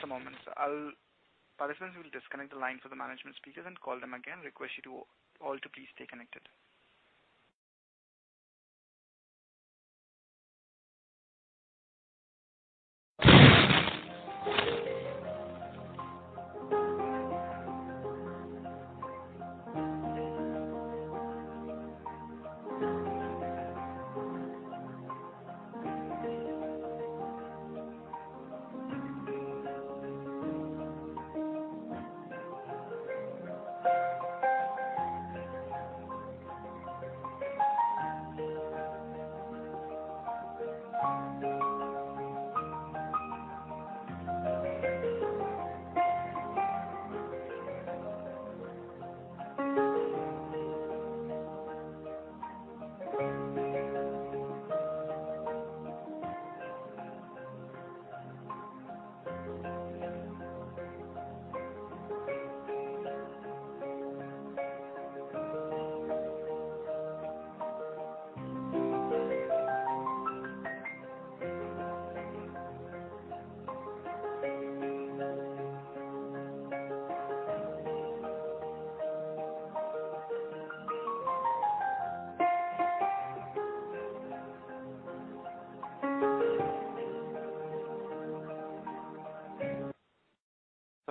Hello? Yes, I'm here. Just a moment, sir. Praveen will disconnect the line for the management speakers and call them again and request you all to please stay connected.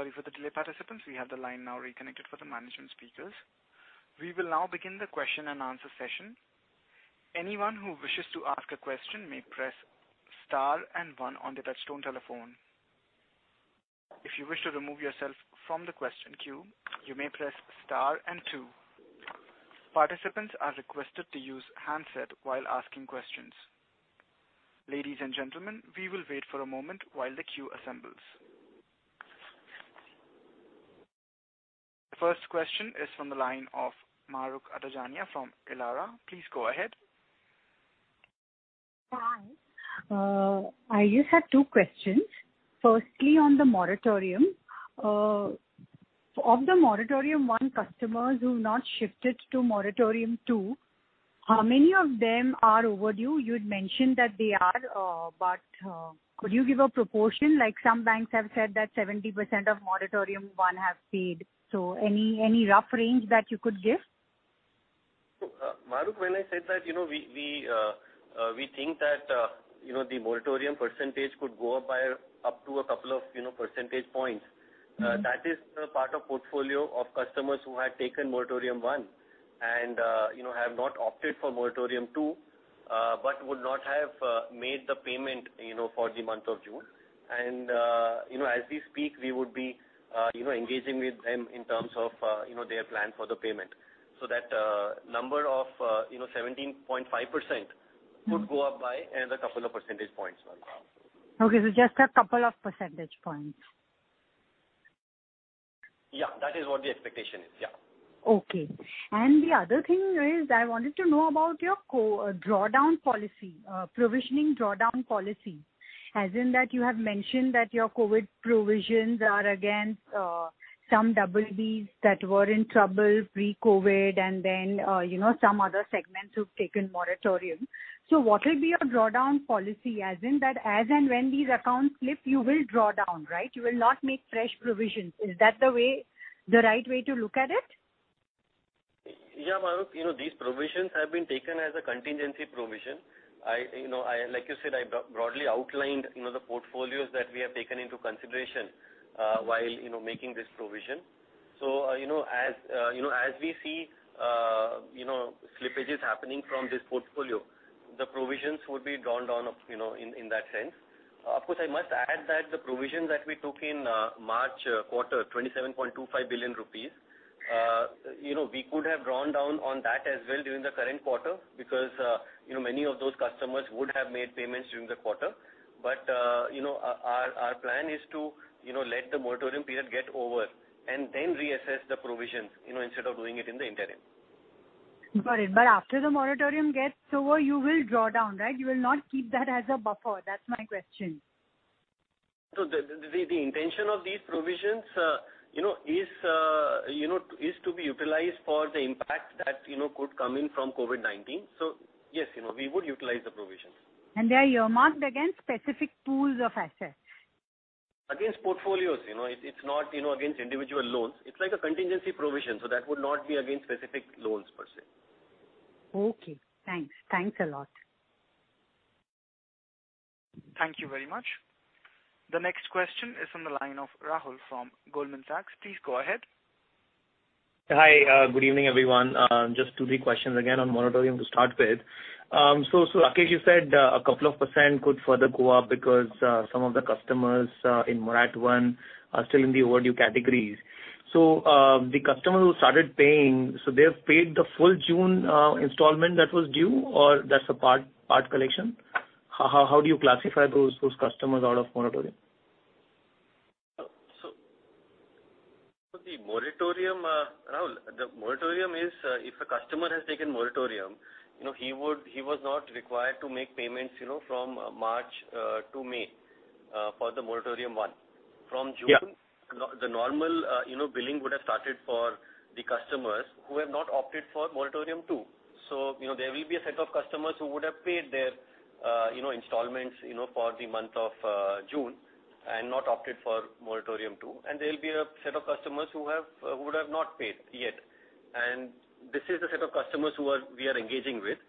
Sorry for the delay, participants. We have the line now reconnected for the management speakers. We will now begin the question and answer session. Anyone who wishes to ask a question may press star and one on the touch-tone telephone. If you wish to remove yourself from the question queue, you may press star and two. Participants are requested to use handset while asking questions. Ladies and gentlemen, we will wait for a moment while the queue assembles. The first question is from the line of Mahrukh Adajania from Elara. Please go ahead. Hi. I just had two questions. Firstly, on the moratorium, of the moratorium one customers who have not shifted to moratorium two, how many of them are overdue? You'd mentioned that they are, but could you give a proportion? Some banks have said that 70% of moratorium one have paid. So any rough range that you could give? Mahrukh, when I said that, we think that the moratorium percentage could go up by up to a couple of percentage points. That is part of the portfolio of customers who had taken moratorium one and have not opted for moratorium two but would not have made the payment for the month of June. And as we speak, we would be engaging with them in terms of their plan for the payment so that number of 17.5% could go up by a couple of percentage points. Okay. So just a couple of percentage points. Yeah. That is what the expectation is. Yeah. Okay. And the other thing is I wanted to know about your drawdown policy, provisioning drawdown policy, as in that you have mentioned that your COVID provisions are against some BBs that were in trouble pre-COVID and then some other segments who've taken moratorium. So what will be your drawdown policy, as in that as and when these accounts slip, you will draw down, right? You will not make fresh provisions. Is that the right way to look at it? Yeah, Mahrukh. These provisions have been taken as a contingency provision. Like you said, I broadly outlined the portfolios that we have taken into consideration while making this provision. So as we see slippages happening from this portfolio, the provisions would be drawn down in that sense. Of course, I must add that the provision that we took in March quarter, 27.25 billion rupees, we could have drawn down on that as well during the current quarter because many of those customers would have made payments during the quarter. But our plan is to let the moratorium period get over and then reassess the provisions instead of doing it in the interim. Got it, but after the moratorium gets over, you will draw down, right? You will not keep that as a buffer. That's my question. So the intention of these provisions is to be utilized for the impact that could come in from COVID-19. So yes, we would utilize the provisions. They are earmarked against specific pools of assets? Against portfolios. It's not against individual loans. It's like a contingency provision. So that would not be against specific loans per se. Okay. Thanks. Thanks a lot. Thank you very much. The next question is from the line of Rahul from Goldman Sachs. Please go ahead. Hi. Good evening, everyone. Just two questions again on moratorium to start with. So Rakesh, you said a couple of % could further go up because some of the customers in moratorium one are still in the overdue categories. So the customer who started paying, so they have paid the full June installment that was due or that's a part collection? How do you classify those customers out of moratorium? So the moratorium, Rahul, the moratorium is if a customer has taken moratorium, he was not required to make payments from March to May for the moratorium one. From June, the normal billing would have started for the customers who have not opted for moratorium two. So there will be a set of customers who would have paid their installments for the month of June and not opted for moratorium two. And there will be a set of customers who would have not paid yet. And this is the set of customers who we are engaging with.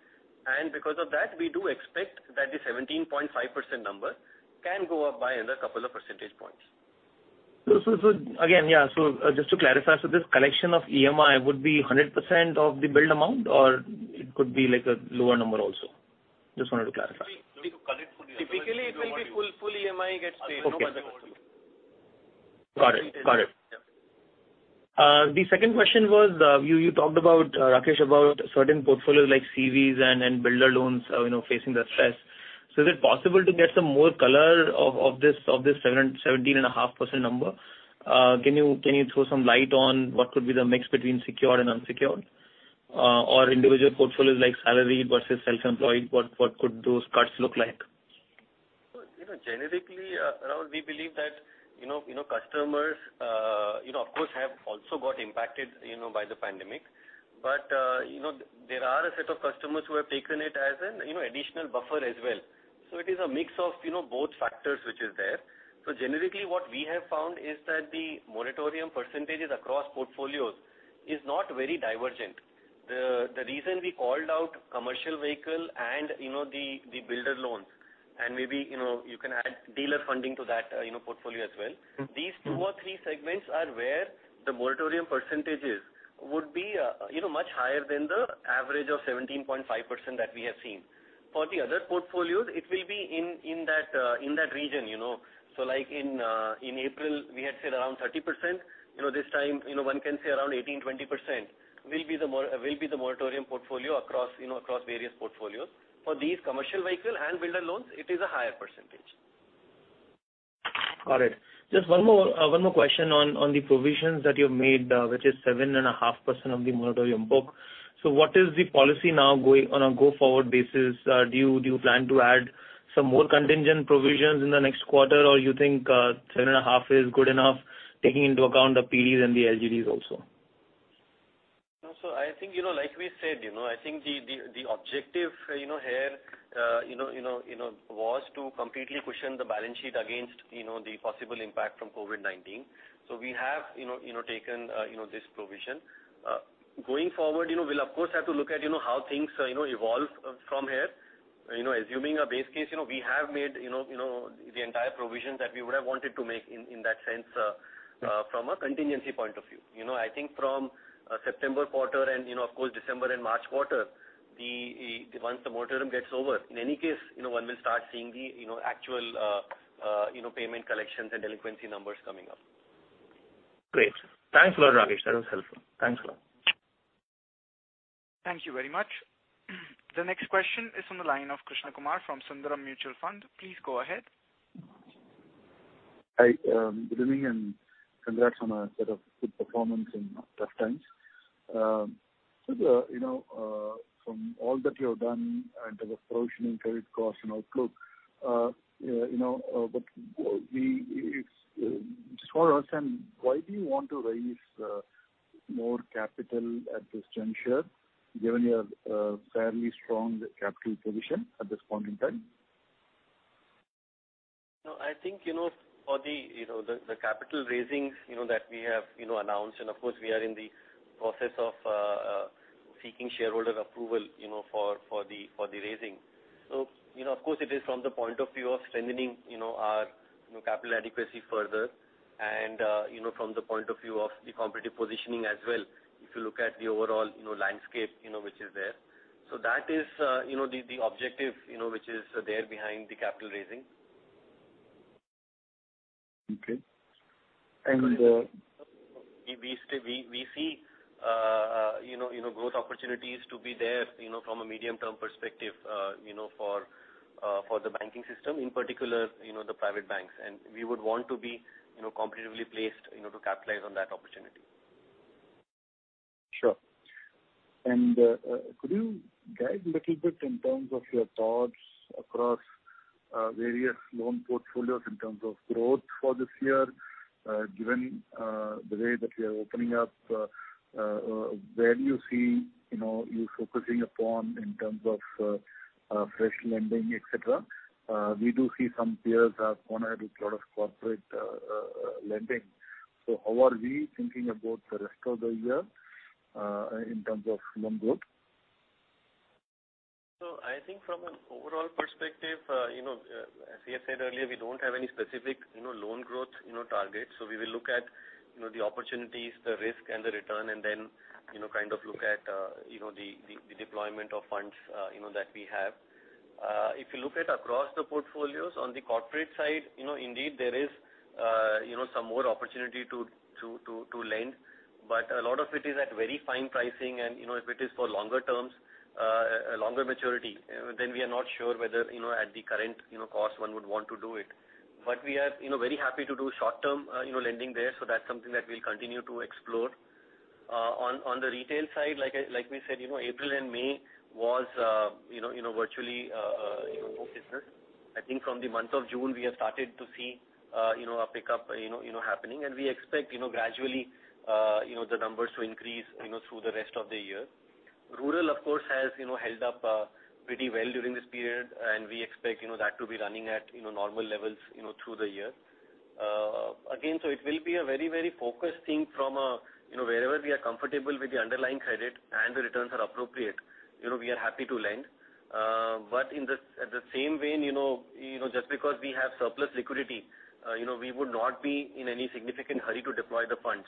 And because of that, we do expect that the 17.5% number can go up by another couple of percentage points. So again, yeah, so just to clarify, so this collection of EMI would be 100% of the billed amount or it could be a lower number also? Just wanted to clarify. Typically, it will be full EMI gets paid. Got it. Got it. The second question was you talked about, Rakesh, about certain portfolios like CVs and builder loans facing the stress, so is it possible to get some more color of this 17.5% number? Can you throw some light on what could be the mix between secured and unsecured or individual portfolios like salaried versus self-employed? What could those cuts look like? Generically, Rahul, we believe that customers, of course, have also got impacted by the pandemic. But there are a set of customers who have taken it as an additional buffer as well. So it is a mix of both factors which is there. So generically, what we have found is that the moratorium percentages across portfolios is not very divergent. The reason we called out commercial vehicle and the builder loans and maybe you can add dealer funding to that portfolio as well, these two or three segments are where the moratorium percentages would be much higher than the average of 17.5% that we have seen. For the other portfolios, it will be in that region. So in April, we had said around 30%. This time, one can say around 18-20% will be the moratorium portfolio across various portfolios. For these commercial vehicle and builder loans, it is a higher percentage. Got it. Just one more question on the provisions that you've made, which is 7.5% of the moratorium book. So what is the policy now on a go-forward basis? Do you plan to add some more contingent provisions in the next quarter, or you think 7.5 is good enough taking into account the PDs and the LGDs also? So I think, like we said, I think the objective here was to completely cushion the balance sheet against the possible impact from COVID-19. So we have taken this provision. Going forward, we'll, of course, have to look at how things evolve from here. Assuming a base case, we have made the entire provision that we would have wanted to make in that sense from a contingency point of view. I think from September quarter and, of course, December and March quarter, once the moratorium gets over, in any case, one will start seeing the actual payment collections and delinquency numbers coming up. Great. Thanks a lot, Rakesh. That was helpful. Thanks a lot. Thank you very much. The next question is from the line of Krishna Kumar from Sundaram Mutual Fund. Please go ahead. Hi. Good evening and congrats on a set of good performance in tough times. From all that you have done in terms of provisioning, credit costs, and outlook, just for us, why do you want to raise more capital at this juncture given your fairly strong capital position at this point in time? I think for the capital raisings that we have announced, and of course, we are in the process of seeking shareholder approval for the raising. So, of course, it is from the point of view of strengthening our capital adequacy further and from the point of view of the competitive positioning as well if you look at the overall landscape which is there. So that is the objective which is there behind the capital raising. Okay. And. We see growth opportunities to be there from a medium-term perspective for the banking system, in particular, the private banks, and we would want to be competitively placed to capitalize on that opportunity. Sure. And could you guide a little bit in terms of your thoughts across various loan portfolios in terms of growth for this year, given the way that we are opening up? Where do you see you focusing upon in terms of fresh lending, etc.? We do see some peers have gone ahead with a lot of corporate lending. So how are we thinking about the rest of the year in terms of loan growth? So I think from an overall perspective, as I said earlier, we don't have any specific loan growth targets, so we will look at the opportunities, the risk, and the return, and then kind of look at the deployment of funds that we have. If you look across the portfolios, on the corporate side, indeed, there is some more opportunity to lend, but a lot of it is at very fine pricing, and if it is for longer terms, longer maturity, then we are not sure whether at the current cost, one would want to do it, but we are very happy to do short-term lending there, so that's something that we'll continue to explore. On the retail side, like we said, April and May was virtually no business. I think from the month of June, we have started to see a pickup happening. And we expect gradually the numbers to increase through the rest of the year. Rural, of course, has held up pretty well during this period. And we expect that to be running at normal levels through the year. Again, so it will be a very, very focused thing from wherever we are comfortable with the underlying credit and the returns are appropriate, we are happy to lend. But at the same vein, just because we have surplus liquidity, we would not be in any significant hurry to deploy the funds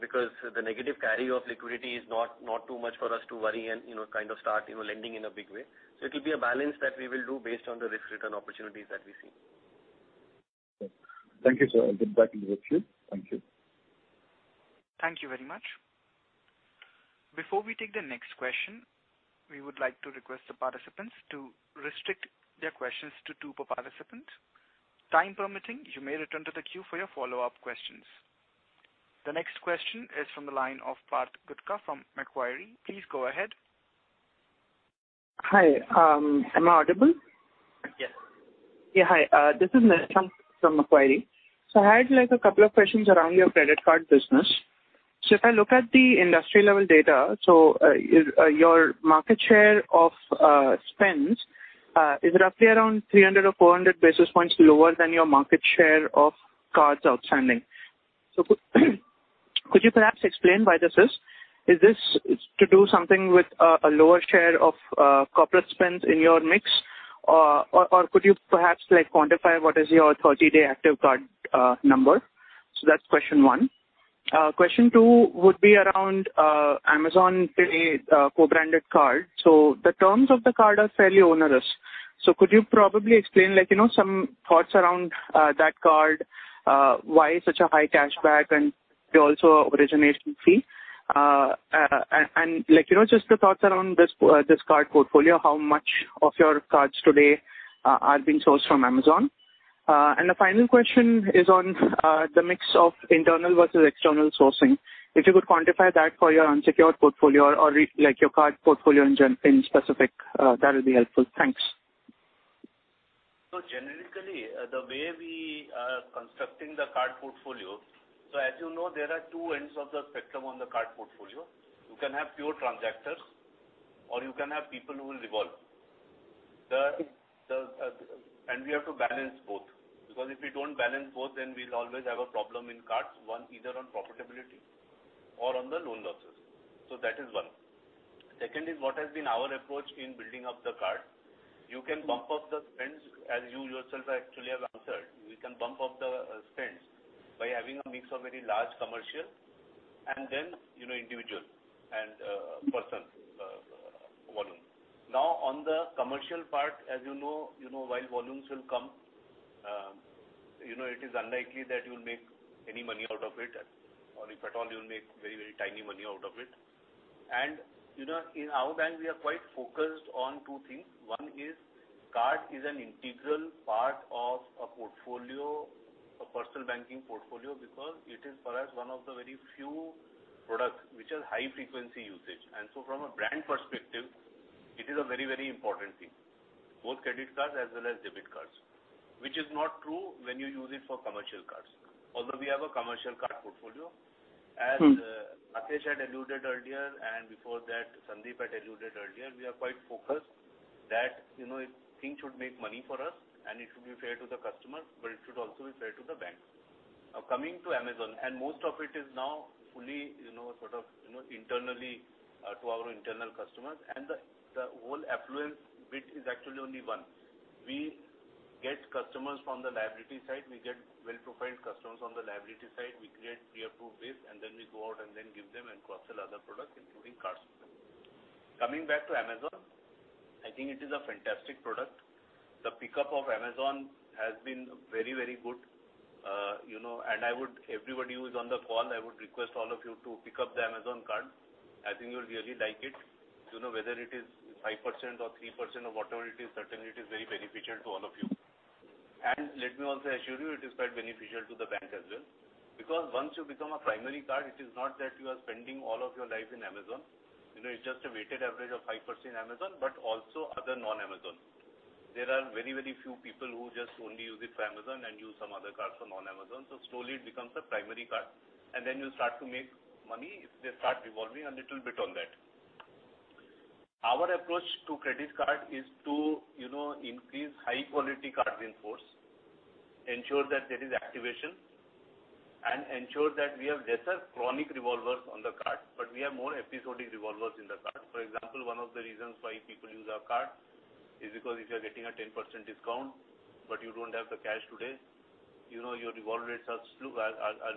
because the negative carry of liquidity is not too much for us to worry and kind of start lending in a big way. So it will be a balance that we will do based on the risk-return opportunities that we see. Thank you. So I'll get back to Rakesh. Thank you. Thank you very much. Before we take the next question, we would like to request the participants to restrict their questions to two per participant. Time permitting, you may return to the queue for your follow-up questions. The next question is from the line of Uncertain from Macquarie. Please go ahead. Hi. Am I audible? Yes. Yeah. Hi. This is Nishant from Macquarie. So I had a couple of questions around your credit card business. So if I look at the industry-level data, so your market share of spends is roughly around 300 or 400 basis points lower than your market share of cards outstanding. So could you perhaps explain why this is? Is this to do something with a lower share of corporate spends in your mix? Or could you perhaps quantify what is your 30-day active card number? So that's question one. Question two would be around Amazon Pay co-branded card. So the terms of the card are fairly onerous. So could you probably explain some thoughts around that card, why such a high cashback, and also origination fee? And just the thoughts around this card portfolio, how much of your cards today are being sourced from Amazon? The final question is on the mix of internal versus external sourcing. If you could quantify that for your unsecured portfolio or your card portfolio in specific, that would be helpful. Thanks. So, generically, the way we are constructing the card portfolio, so as you know, there are two ends of the spectrum on the card portfolio. You can have pure transactors, or you can have people who will revolve. And we have to balance both. Because if we don't balance both, then we'll always have a problem in cards, either on profitability or on the loan losses. So that is one. Second is what has been our approach in building up the card. You can bump up the spends, as you yourself actually have answered. We can bump up the spends by having a mix of very large commercial and then individual and personal volume. Now, on the commercial part, as you know, while volumes will come, it is unlikely that you'll make any money out of it, or if at all, you'll make very, very tiny money out of it. In our bank, we are quite focused on two things. One is card is an integral part of a portfolio, a personal banking portfolio, because it is, for us, one of the very few products which has high-frequency usage. And so from a brand perspective, it is a very, very important thing, both credit cards as well as debit cards, which is not true when you use it for commercial cards. Although we have a commercial card portfolio, as Rakesh had alluded earlier and before that, Sandeep had alluded earlier, we are quite focused that things should make money for us, and it should be fair to the customers, but it should also be fair to the bank. Now, coming to Amazon, and most of it is now fully sort of internally to our internal customers. And the whole affluence bit is actually only one. We get customers from the liability side. We get well-profiled customers on the liability side. We create pre-approved base, and then we go out and then give them and cross-sell other products, including cards. Coming back to Amazon, I think it is a fantastic product. The pickup of Amazon has been very, very good. And everybody who is on the call, I would request all of you to pick up the Amazon card. I think you'll really like it. Whether it is 5% or 3% or whatever it is, certainly it is very beneficial to all of you. And let me also assure you, it is quite beneficial to the bank as well. Because once you become a primary card, it is not that you are spending all of your life in Amazon. It's just a weighted average of 5% Amazon, but also other non-Amazon. There are very, very few people who just only use it for Amazon and use some other cards for non-Amazon. So slowly, it becomes a primary card. And then you start to make money if they start revolving a little bit on that. Our approach to credit card is to increase high-quality cards in force, ensure that there is activation, and ensure that we have lesser chronic revolvers on the card, but we have more episodic revolvers in the card. For example, one of the reasons why people use our card is because if you're getting a 10% discount, but you don't have the cash today, your revolver rates are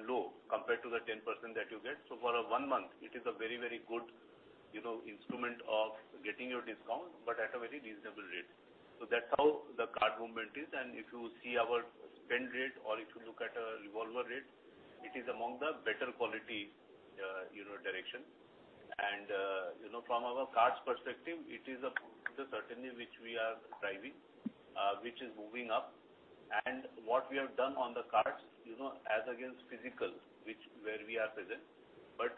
low compared to the 10% that you get. So for a one month, it is a very, very good instrument of getting your discount, but at a very reasonable rate. So that's how the card movement is. And if you see our spend rate or if you look at our revolver rate, it is among the better quality direction, and from our cards perspective, it is the certainty which we are driving, which is moving up, and what we have done on the cards as against physical, which where we are present, but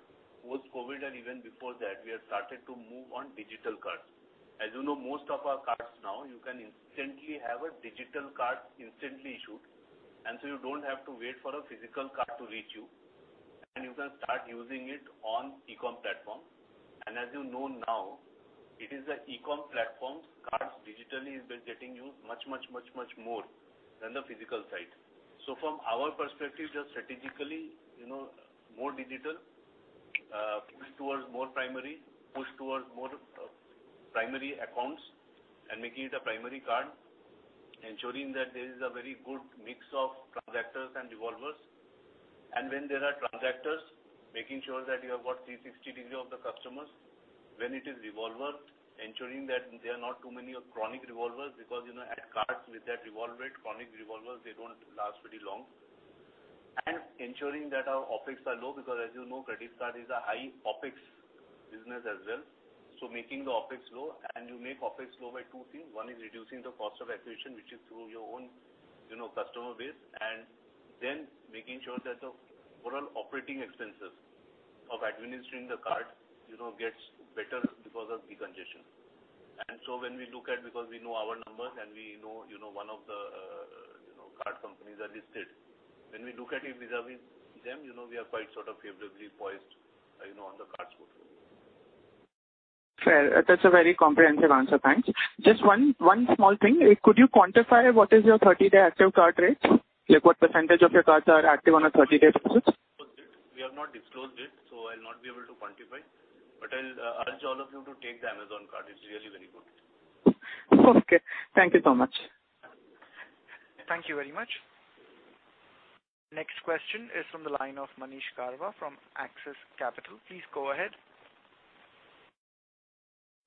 post-COVID and even before that, we have started to move on digital cards. As you know, most of our cards now, you can instantly have a digital card instantly issued, and so you don't have to wait for a physical card to reach you, and you can start using it on e-com platform, and as you know now, it is the e-com platform cards digitally is getting used much, much, much, much more than the physical side. So from our perspective, just strategically, more digital, push towards more primary, push towards more primary accounts, and making it a primary card, ensuring that there is a very good mix of transactors and revolvers. And when there are transactors, making sure that you have got 360-degree view of the customers. When it is revolver, ensuring that there are not too many chronic revolvers because at cards with that revolver, chronic revolvers, they don't last very long. And ensuring that our OpEx are low because, as you know, credit card is a high OpEx business as well. So making the OpEx low. And you make OpEx low by two things. One is reducing the cost of acquisition, which is through your own customer base. And then making sure that the overall operating expenses of administering the card gets better because of decongestion. And so when we look at, because we know our numbers and we know one of the card companies are listed, when we look at it vis-à-vis them, we are quite sort of favorably poised on the cards portfolio. Fair. That's a very comprehensive answer. Thanks. Just one small thing. Could you quantify what is your 30-day active card rate? What percentage of your cards are active on a 30-day basis? We have not disclosed it, so I'll not be able to quantify. But I'll urge all of you to take the Amazon card. It's really very good. Okay. Thank you so much. Thank you very much. Next question is from the line of Manish Karwa from Axis Capital. Please go ahead.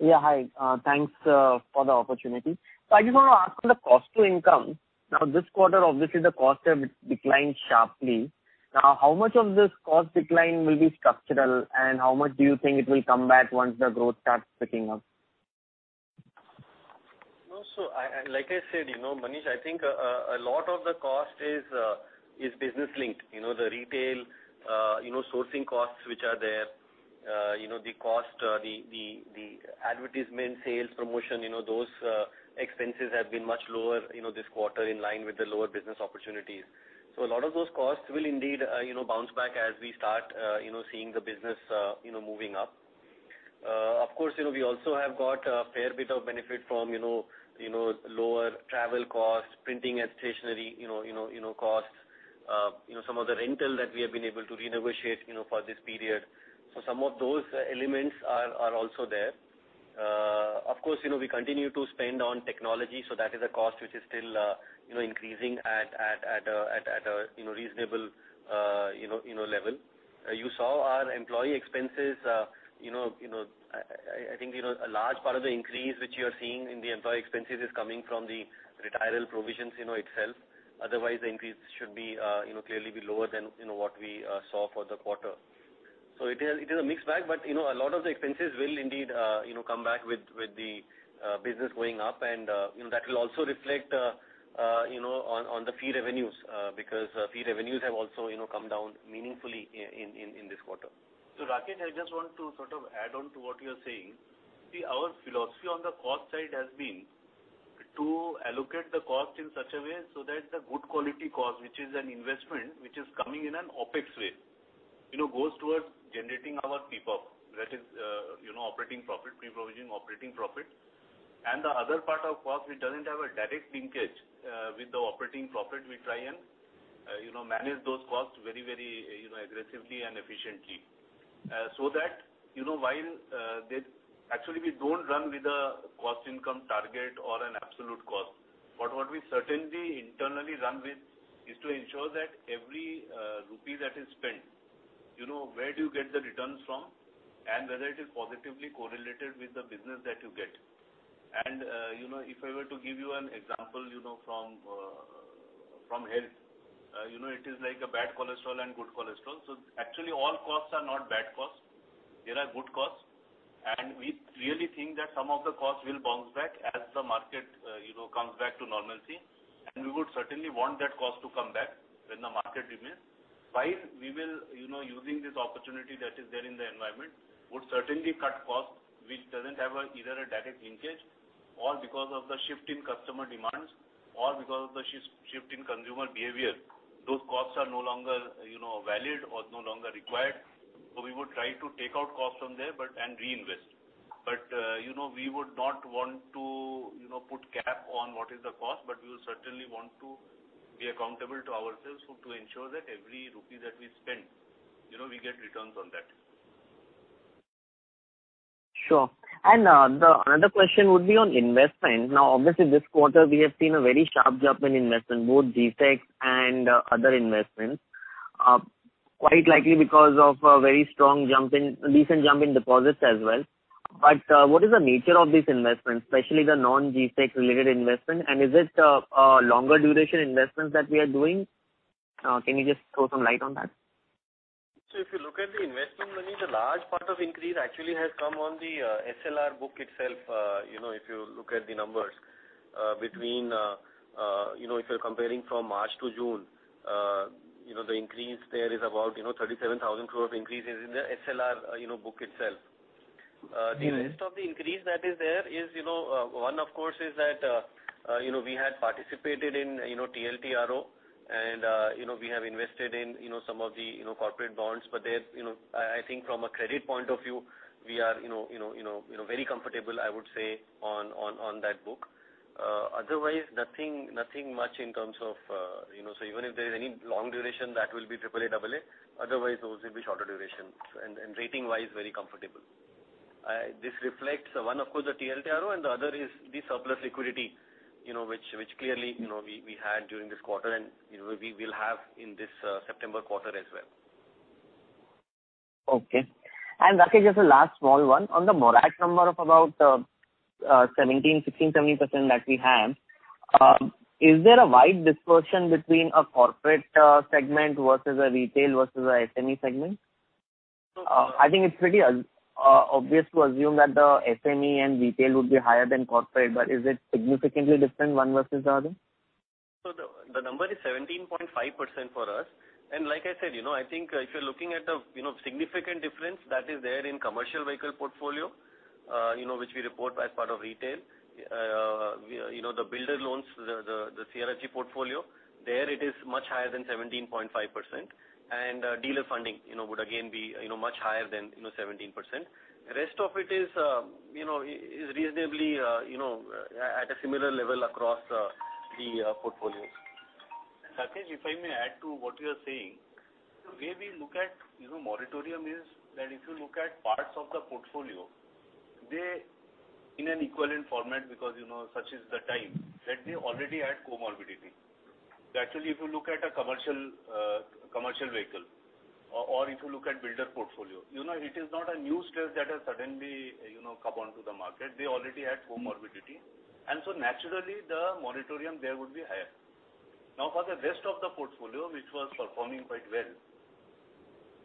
Yeah. Hi. Thanks for the opportunity. So I just want to ask on the cost to income. Now, this quarter, obviously, the cost has declined sharply. Now, how much of this cost decline will be structural, and how much do you think it will come back once the growth starts picking up? So like I said, Manish, I think a lot of the cost is business-linked. The retail sourcing costs, which are there, the cost, the advertisement sales, promotion, those expenses have been much lower this quarter in line with the lower business opportunities. So a lot of those costs will indeed bounce back as we start seeing the business moving up. Of course, we also have got a fair bit of benefit from lower travel costs, printing and stationery costs, some of the rental that we have been able to renegotiate for this period. So some of those elements are also there. Of course, we continue to spend on technology. So that is a cost which is still increasing at a reasonable level. You saw our employee expenses. I think a large part of the increase which you are seeing in the employee expenses is coming from the retiree provisions itself. Otherwise, the increase should clearly be lower than what we saw for the quarter. So it is a mixed bag, but a lot of the expenses will indeed come back with the business going up. And that will also reflect on the fee revenues because fee revenues have also come down meaningfully in this quarter. So Rakesh, I just want to sort of add on to what you're saying. See, our philosophy on the cost side has been to allocate the cost in such a way so that the good quality cost, which is an investment, which is coming in an OPEX way, goes towards generating our PPOP, that is operating profit, pre-provision operating profit. And the other part of cost, which doesn't have a direct linkage with the operating profit, we try and manage those costs very, very aggressively and efficiently. So that while actually we don't run with a cost income target or an absolute cost, but what we certainly internally run with is to ensure that every rupee that is spent, where do you get the returns from, and whether it is positively correlated with the business that you get. And if I were to give you an example from health, it is like a bad cholesterol and good cholesterol. So actually, all costs are not bad costs. There are good costs. And we really think that some of the costs will bounce back as the market comes back to normalcy. And we would certainly want that cost to come back when the market remains. While we will, using this opportunity that is there in the environment, would certainly cut costs, which doesn't have either a direct linkage, or because of the shift in customer demands, or because of the shift in consumer behavior, those costs are no longer valid or no longer required. So we would try to take out costs from there and reinvest. But we would not want to put cap on what is the cost, but we will certainly want to be accountable to ourselves to ensure that every rupee that we spend, we get returns on that. Sure. And the other question would be on investment. Now, obviously, this quarter, we have seen a very sharp jump in investment, both G-Sec and other investments, quite likely because of a very strong jump in, decent jump in deposits as well. But what is the nature of these investments, especially the non-G-Sec related investment? And is it a longer duration investment that we are doing? Can you just throw some light on that? So if you look at the investment, Manish, a large part of increase actually has come on the SLR book itself. If you look at the numbers between, if you are comparing from March to June, the increase there is about 37,000 crore of increase in the SLR book itself. The rest of the increase that is there is one, of course, is that we had participated in TLTRO, and we have invested in some of the corporate bonds. But I think from a credit point of view, we are very comfortable, I would say, on that book. Otherwise, nothing much in terms of, so even if there is any long duration, that will be AAA. Otherwise, those will be shorter duration and rating-wise, very comfortable. This reflects one, of course, the TLTRO, and the other is the surplus liquidity, which clearly we had during this quarter and we will have in this September quarter as well. Okay. And Rakesh, just a last small one. On the Morat number of about 16.70% that we have, is there a wide dispersion between a corporate segment versus a retail versus an SME segment? I think it's pretty obvious to assume that the SME and retail would be higher than corporate, but is it significantly different one versus the other? So the number is 17.5% for us. And like I said, I think if you're looking at the significant difference that is there in commercial vehicle portfolio, which we report as part of retail, the builder loans, the KCC portfolio, there it is much higher than 17.5%. And dealer funding would again be much higher than 17%. The rest of it is reasonably at a similar level across the portfolios. Rakesh, if I may add to what you are saying, the way we look at moratorium is that if you look at parts of the portfolio, they in an equivalent format because such is the time that they already had comorbidity. Actually, if you look at a commercial vehicle or if you look at builder portfolio, it is not a new stress that has suddenly come onto the market. They already had comorbidity. And so naturally, the moratorium there would be higher. Now, for the rest of the portfolio, which was performing quite well,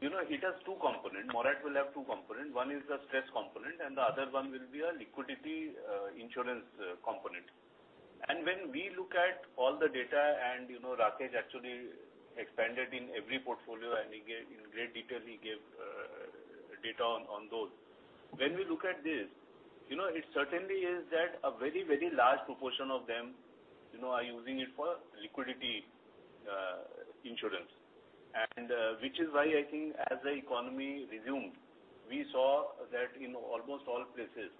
it has two components. Moratorium will have two components. One is the stress component, and the other one will be a liquidity insurance component. And when we look at all the data, and Rakesh actually expanded in every portfolio, and in great detail, he gave data on those. When we look at this, it certainly is that a very, very large proportion of them are using it for liquidity insurance. And which is why I think as the economy resumed, we saw that in almost all places,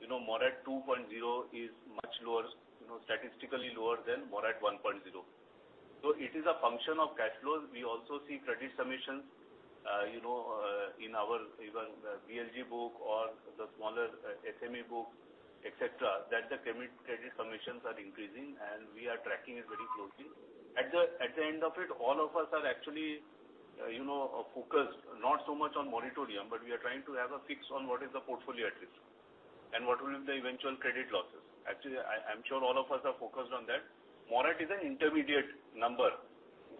moratorium 2.0 is much lower, statistically lower than moratorium 1.0. So it is a function of cash flows. We also see credit submissions in our BLG book or the smaller SME book, etc., that the credit submissions are increasing, and we are tracking it very closely. At the end of it, all of us are actually focused, not so much on moratorium, but we are trying to have a fix on what is the portfolio at risk and what will be the eventual credit losses. Actually, I'm sure all of us are focused on that. Morat is an intermediate number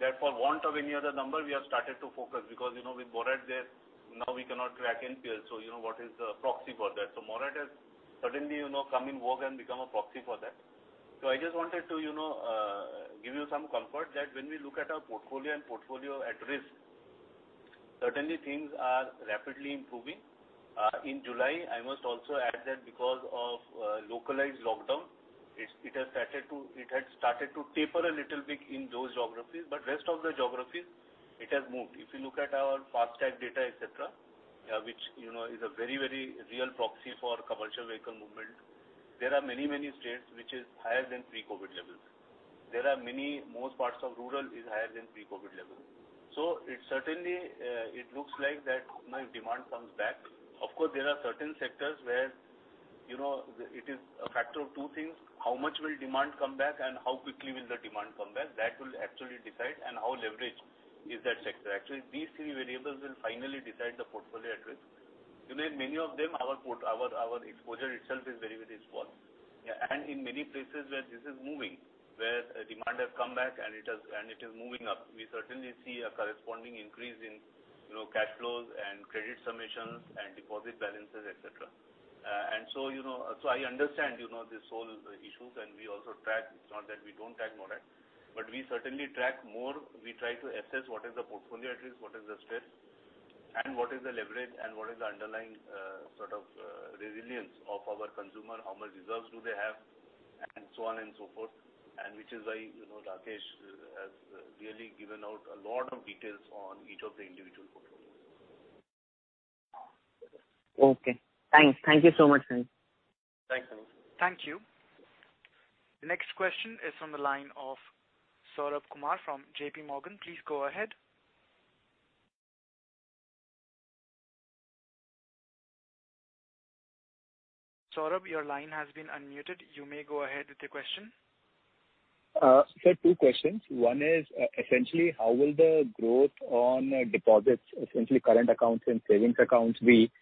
that for want of any other number, we have started to focus because with Morat, now we cannot track NPL. So what is the proxy for that? So Morat has certainly come in vogue and become a proxy for that. So I just wanted to give you some comfort that when we look at our portfolio and portfolio at risk, certainly things are rapidly improving. In July, I must also add that because of localized lockdown, it had started to taper a little bit in those geographies, but rest of the geographies, it has moved. If you look at our FASTag data, etc., which is a very, very real proxy for commercial vehicle movement, there are many, many states which is higher than pre-COVID levels. There are many, most parts of rural is higher than pre-COVID levels, so it certainly looks like that demand comes back. Of course, there are certain sectors where it is a factor of two things: how much will demand come back, and how quickly will the demand come back? That will actually decide, and how leveraged is that sector. Actually, these three variables will finally decide the portfolio at risk. In many of them, our exposure itself is very, very small. And in many places where this is moving, where demand has come back and it is moving up, we certainly see a corresponding increase in cash flows and credit submissions and deposit balances, etc. And so I understand this whole issue, and we also track. It's not that we don't track moratorium, but we certainly track more. We try to assess what is the portfolio at risk, what is the stress, and what is the leverage, and what is the underlying sort of resilience of our consumer? How much reserves do they have? And so on and so forth. And which is why Rakesh has really given out a lot of details on each of the individual portfolios. Okay. Thanks. Thank you so much, Manish. Thanks, Manish. Thank you. The next question is from the line of Saurabh Kumar from JPMorgan. Please go ahead. Saurabh, your line has been unmuted. You may go ahead with the question. So two questions. One is essentially, how will the growth on deposits, essentially current accounts and savings accounts, be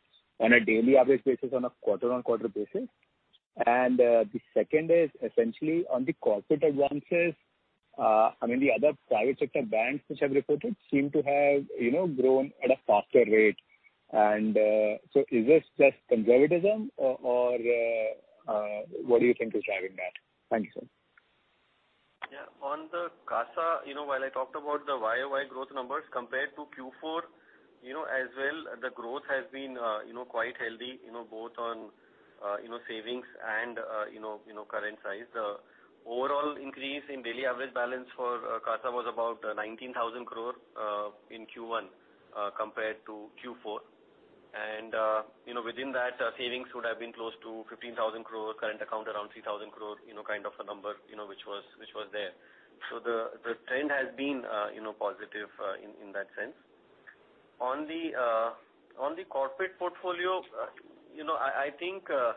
on a daily average basis, on a quarter-on-quarter basis? And the second is essentially on the corporate advances. I mean, the other private sector banks which have reported seem to have grown at a faster rate. And so is this just conservatism, or what do you think is driving that? Thank you so much. Yeah. On the CASA, while I talked about the YOY growth numbers compared to Q4 as well, the growth has been quite healthy, both on savings and current side. The overall increase in daily average balance for CASA was about 19,000 crore in Q1 compared to Q4. And within that, savings would have been close to 15,000 crore, current account around 3,000 crore, kind of a number which was there. So the trend has been positive in that sense. On the corporate portfolio, I think I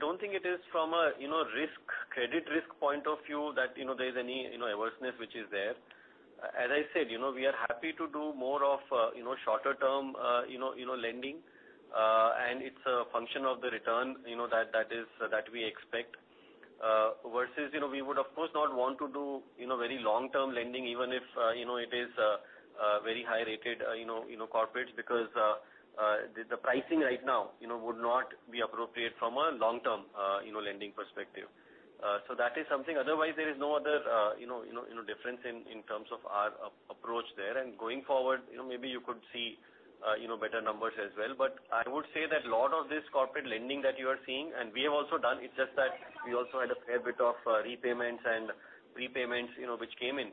don't think it is from a risk, credit risk point of view, that there is any averseness which is there. As I said, we are happy to do more of shorter-term lending, and it's a function of the return that we expect. Versus we would, of course, not want to do very long-term lending, even if it is very high-rated corporates because the pricing right now would not be appropriate from a long-term lending perspective, so that is something. Otherwise, there is no other difference in terms of our approach there, and going forward, maybe you could see better numbers as well, but I would say that a lot of this corporate lending that you are seeing, and we have also done. It's just that we also had a fair bit of repayments and prepayments which came in.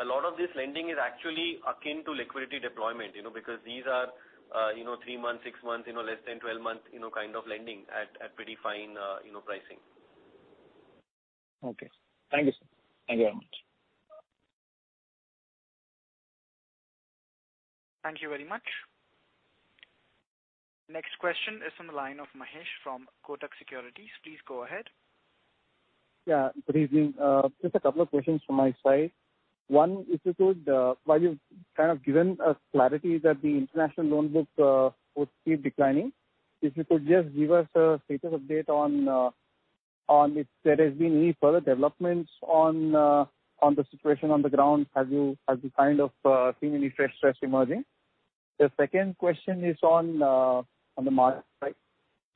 A lot of this lending is actually akin to liquidity deployment because these are three months, six months, less than 12-month kind of lending at pretty fine pricing. Okay. Thank you. Thank you very much. Thank you very much. Next question is from the line of Mahesh from Kotak Securities. Please go ahead. Yeah. Good evening. Just a couple of questions from my side. One, if you could, while you've kind of given us clarity that the international loan book would keep declining, if you could just give us a status update on if there has been any further developments on the situation on the ground. Have you kind of seen any fresh stress emerging? The second question is on the market side.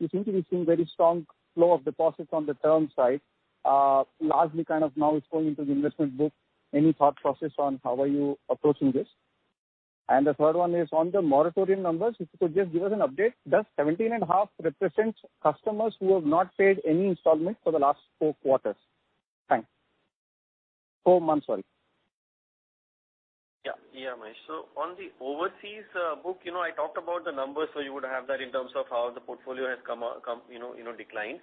You seem to be seeing very strong flow of deposits on the term side. Largely kind of now it's going into the investment book. Any thought process on how are you approaching this? And the third one is on the moratorium numbers. If you could just give us an update. Does 17.5% represent customers who have not paid any installment for the last four quarters? Thanks. Four months, sorry. Yeah. Yeah, Mahesh. So on the overseas book, I talked about the numbers, so you would have that in terms of how the portfolio has declined.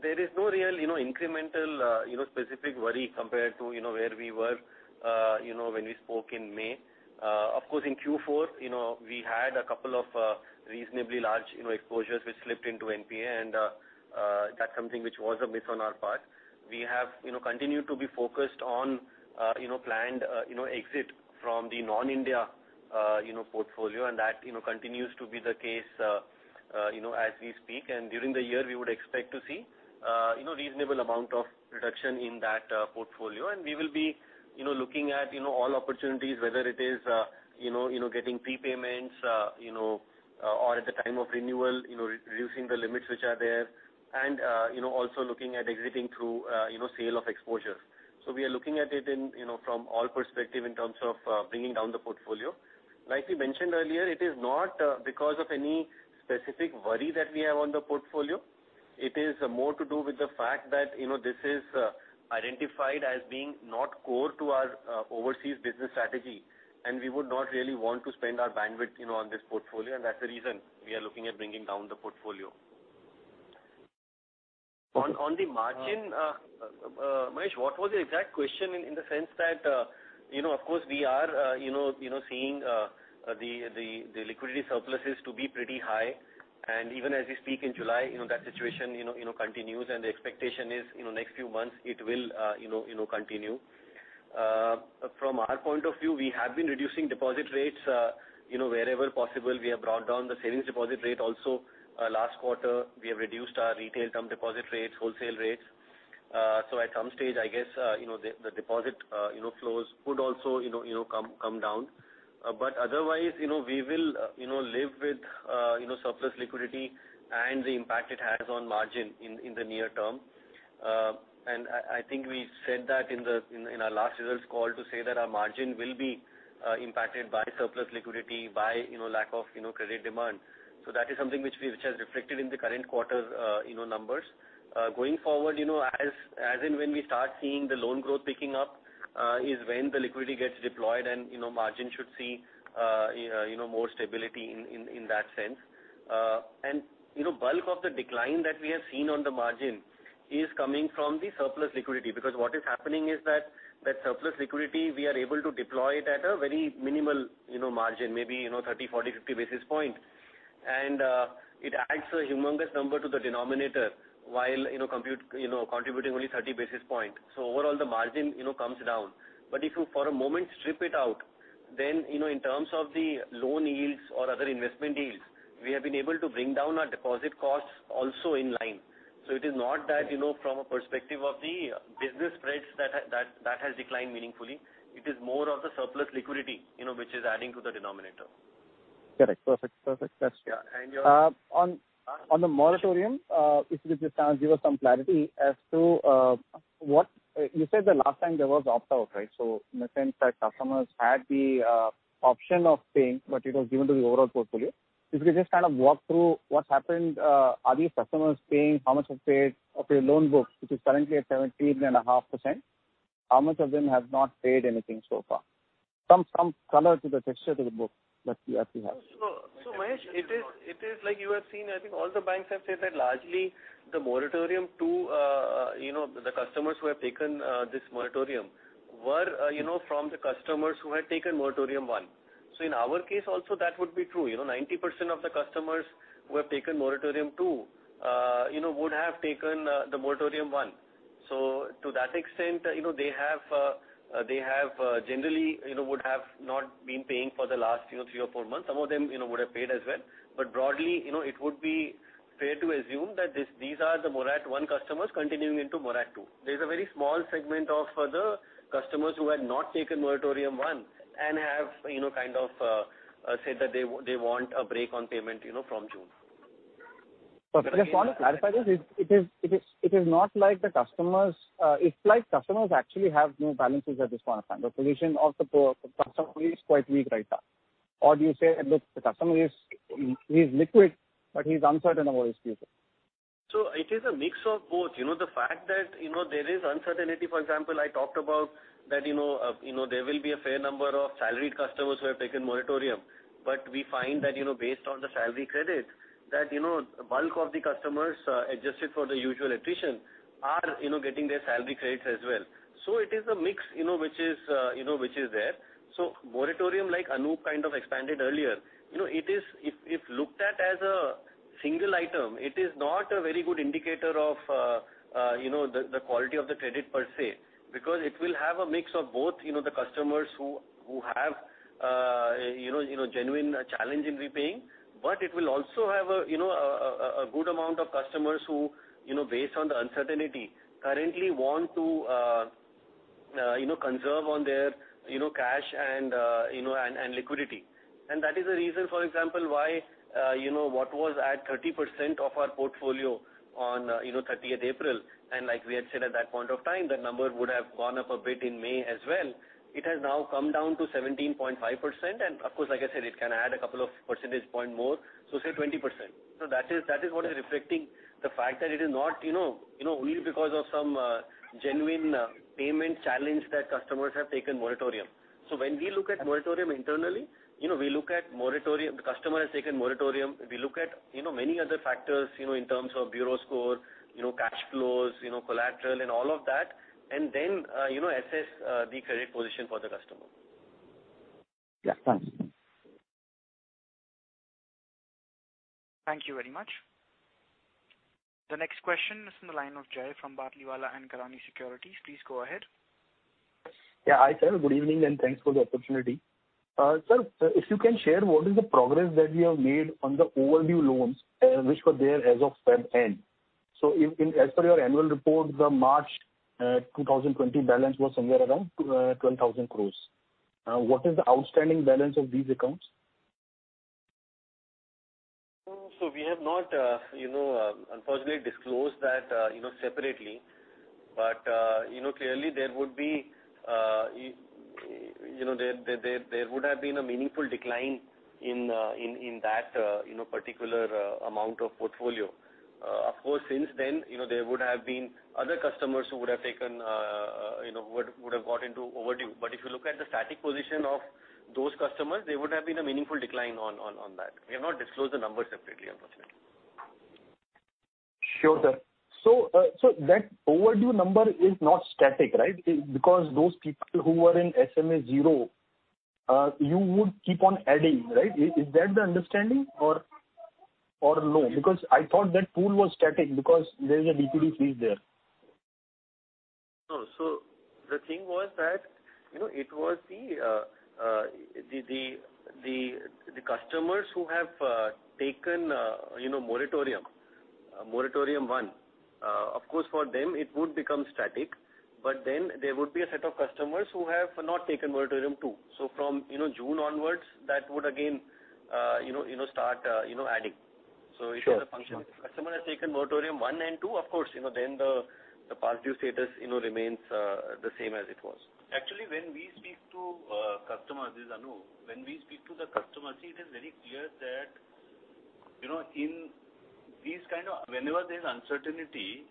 There is no real incremental specific worry compared to where we were when we spoke in May. Of course, in Q4, we had a couple of reasonably large exposures which slipped into NPA, and that's something which was a miss on our part. We have continued to be focused on planned exit from the non-India portfolio, and that continues to be the case as we speak. And during the year, we would expect to see a reasonable amount of reduction in that portfolio. And we will be looking at all opportunities, whether it is getting prepayments or at the time of renewal, reducing the limits which are there, and also looking at exiting through sale of exposures. So we are looking at it from all perspectives in terms of bringing down the portfolio. Like we mentioned earlier, it is not because of any specific worry that we have on the portfolio. It is more to do with the fact that this is identified as being not core to our overseas business strategy, and we would not really want to spend our bandwidth on this portfolio. And that's the reason we are looking at bringing down the portfolio. On the margin, Mahesh, what was the exact question in the sense that, of course, we are seeing the liquidity surpluses to be pretty high. And even as we speak in July, that situation continues, and the expectation is next few months it will continue. From our point of view, we have been reducing deposit rates wherever possible. We have brought down the savings deposit rate also last quarter. We have reduced our retail term deposit rates, wholesale rates, so at some stage, I guess, the deposit flows could also come down, but otherwise, we will live with surplus liquidity and the impact it has on margin in the near term, and I think we said that in our last results call to say that our margin will be impacted by surplus liquidity, by lack of credit demand, so that is something which has reflected in the current quarter numbers. Going forward, as in when we start seeing the loan growth picking up is when the liquidity gets deployed, and margin should see more stability in that sense. And bulk of the decline that we have seen on the margin is coming from the surplus liquidity because what is happening is that surplus liquidity, we are able to deploy it at a very minimal margin, maybe 30, 40, 50 basis points. And it adds a humongous number to the denominator while contributing only 30 basis points. So overall, the margin comes down. But if you for a moment strip it out, then in terms of the loan yields or other investment yields, we have been able to bring down our deposit costs also in line. So it is not that from a perspective of the business spreads that has declined meaningfully. It is more of the surplus liquidity which is adding to the denominator. Got it. Perfect. Perfect. That's true. Yeah. And on the moratorium, if you could just kind of give us some clarity as to what you said the last time there was opt-out, right? So in the sense that customers had the option of paying, but it was given to the overall portfolio. If you could just kind of walk through what happened, are these customers paying? How much have they paid of your loan book, which is currently at 17.5%? How much of them have not paid anything so far? Some color to the texture to the book that we have. So Mahesh, it is like you have seen. I think all the banks have said that largely the moratorium to the customers who have taken this moratorium were from the customers who had taken moratorium one. So in our case, also that would be true. 90% of the customers who have taken moratorium two would have taken the moratorium one. So to that extent, they have generally would have not been paying for the last three or four months. Some of them would have paid as well. But broadly, it would be fair to assume that these are the moratorium one customers continuing into moratorium two. There's a very small segment of the customers who had not taken moratorium one and have kind of said that they want a break on payment from June. Perfect. Just want to clarify this. It is not like the customers. It's like customers actually have no balances at this point of time. The position of the customer is quite weak right now. Or do you say, "Look, the customer is liquid, but he's uncertain about his future"? So it is a mix of both. The fact that there is uncertainty. For example, I talked about that there will be a fair number of salaried customers who have taken moratorium. But we find that based on the salary credit, that bulk of the customers adjusted for the usual attrition are getting their salary credits as well. So it is a mix which is there. So moratorium like Anup kind of expanded earlier. It is, if looked at as a single item, it is not a very good indicator of the quality of the credit per se because it will have a mix of both the customers who have genuine challenge in repaying, but it will also have a good amount of customers who, based on the uncertainty, currently want to conserve on their cash and liquidity. And that is the reason, for example, why what was at 30% of our portfolio on 30th April, and like we had said at that point of time, the number would have gone up a bit in May as well, it has now come down to 17.5%. And of course, like I said, it can add a couple of percentage points more. So say 20%. So that is what is reflecting the fact that it is not only because of some genuine payment challenge that customers have taken moratorium. So when we look at moratorium internally, we look at moratorium. The customer has taken moratorium. We look at many other factors in terms of bureau score, cash flows, collateral, and all of that, and then assess the credit position for the customer. Yeah. Thanks. Thank you very much. The next question is from the line of Jai from Batlivala & Karani Securities. Please go ahead. Yeah. Hi, sir. Good evening and thanks for the opportunity. Sir, if you can share what is the progress that we have made on the overdue loans which were there as of February end. So as per your annual report, the March 2020 balance was somewhere around 12,000 crores. What is the outstanding balance of these accounts? We have not, unfortunately, disclosed that separately. But clearly, there would have been a meaningful decline in that particular amount of portfolio. Of course, since then, there would have been other customers who would have got into overdue. But if you look at the static position of those customers, there would have been a meaningful decline on that. We have not disclosed the numbers separately, unfortunately. Sure, sir. So that overdue number is not static, right? Because those people who were in SMA 0, you would keep on adding, right? Is that the understanding or no? Because I thought that pool was static because there's a liquidity freeze there. No. So the thing was that it was the customers who have taken moratorium, moratorium one. Of course, for them, it would become static. But then there would be a set of customers who have not taken moratorium two. So from June onwards, that would again start adding. So it is a function. If a customer has taken moratorium one and two, of course, then the past due status remains the same as it was. Actually, when we speak to customers, this is Anup. When we speak to the customers, it is very clear that in these kind of whenever there is uncertainty,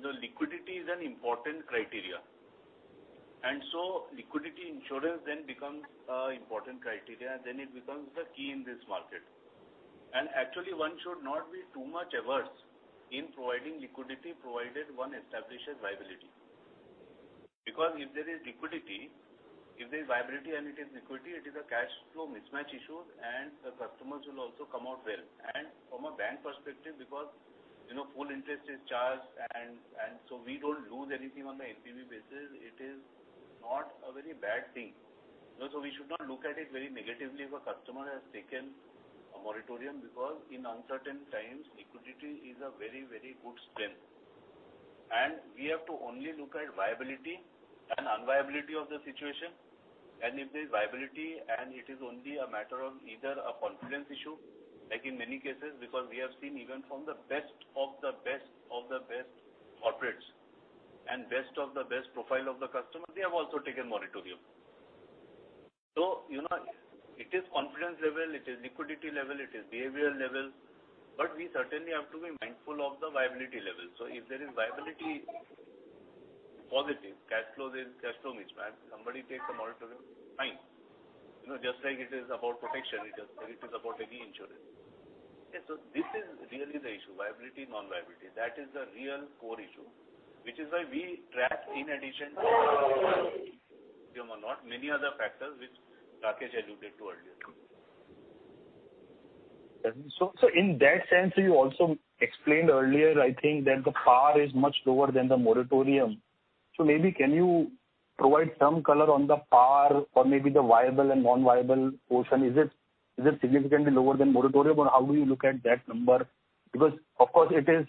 the liquidity is an important criteria. And so liquidity insurance then becomes an important criteria. Then it becomes the key in this market. And actually, one should not be too much averse in providing liquidity provided one establishes viability. Because if there is liquidity, if there is viability and it is liquidity, it is a cash flow mismatch issue, and the customers will also come out well. And from a bank perspective, because full interest is charged, and so we don't lose anything on the NPV basis, it is not a very bad thing. So we should not look at it very negatively if a customer has taken a moratorium because in uncertain times, liquidity is a very, very good strength. And we have to only look at viability and unviability of the situation. And if there is viability and it is only a matter of either a confidence issue, like in many cases, because we have seen even from the best of the best of the best corporates and best of the best profile of the customers, they have also taken moratorium. So it is confidence level. It is liquidity level. It is behavioral level. But we certainly have to be mindful of the viability level. So if there is viability positive, cash flow is cash flow mismatch, somebody takes a moratorium, fine. Just like it is about protection, it is about any insurance. So this is really the issue, viability, non-viability. That is the real core issue, which is why we track in addition to many other factors which Rakesh alluded to earlier. So, in that sense, you also explained earlier, I think, that the par is much lower than the moratorium. So maybe can you provide some color on the par or maybe the viable and non-viable portion? Is it significantly lower than moratorium, or how do you look at that number? Because, of course, it is,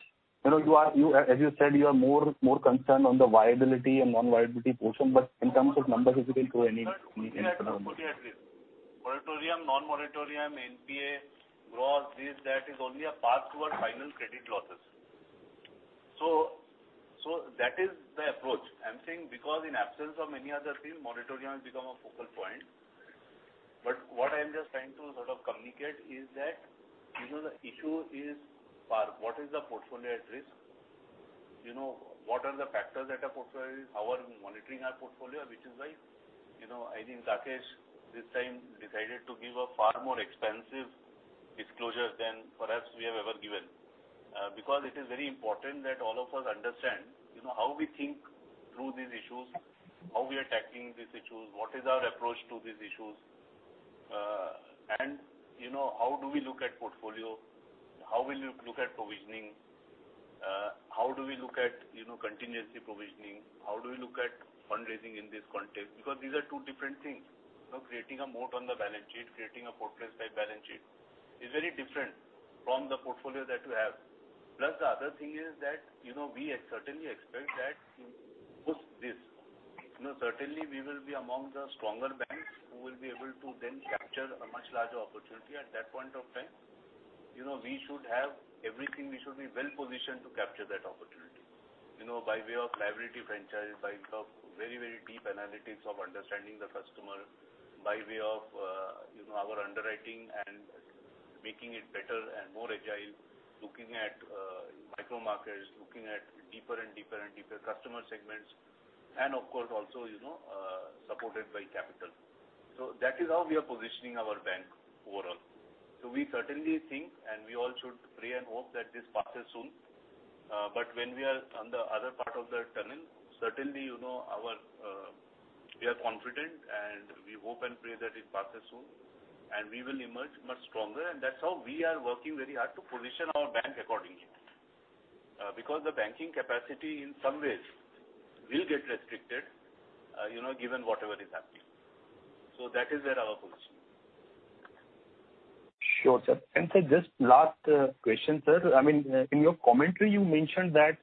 as you said, you are more concerned on the viability and non-viability portion. But in terms of numbers, if you can throw any further comment. Moratorium, non-moratorium, NPA, gross, this, that is only a path towards final credit losses. So that is the approach. I'm saying because in absence of any other thing, moratorium has become a focal point. But what I am just trying to sort of communicate is that the issue is what is the portfolio at risk? What are the factors at a portfolio? How are we monitoring our portfolio? Which is why I think Rakesh this time decided to give a far more expansive disclosure than perhaps we have ever given. Because it is very important that all of us understand how we think through these issues, how we are tackling these issues, what is our approach to these issues, and how do we look at portfolio, how will we look at provisioning, how do we look at contingency provisioning, how do we look at fundraising in this context? Because these are two different things. Creating a moat on the balance sheet, creating a portrait-type balance sheet is very different from the portfolio that you have. Plus, the other thing is that we certainly expect that this. Certainly, we will be among the stronger banks who will be able to then capture a much larger opportunity at that point of time. We should have everything. We should be well-positioned to capture that opportunity by way of liability franchise, by way of very, very deep analytics of understanding the customer, by way of our underwriting and making it better and more agile, looking at micro markets, looking at deeper and deeper and deeper customer segments, and of course, also supported by capital. So that is how we are positioning our bank overall. So we certainly think, and we all should pray and hope that this passes soon. But when we are on the other part of the tunnel, certainly we are confident, and we hope and pray that it passes soon, and we will emerge much stronger. And that's how we are working very hard to position our bank accordingly because the banking capacity in some ways will get restricted given whatever is happening. So that is where our position is. Sure, sir. And sir, just last question, sir. I mean, in your commentary, you mentioned that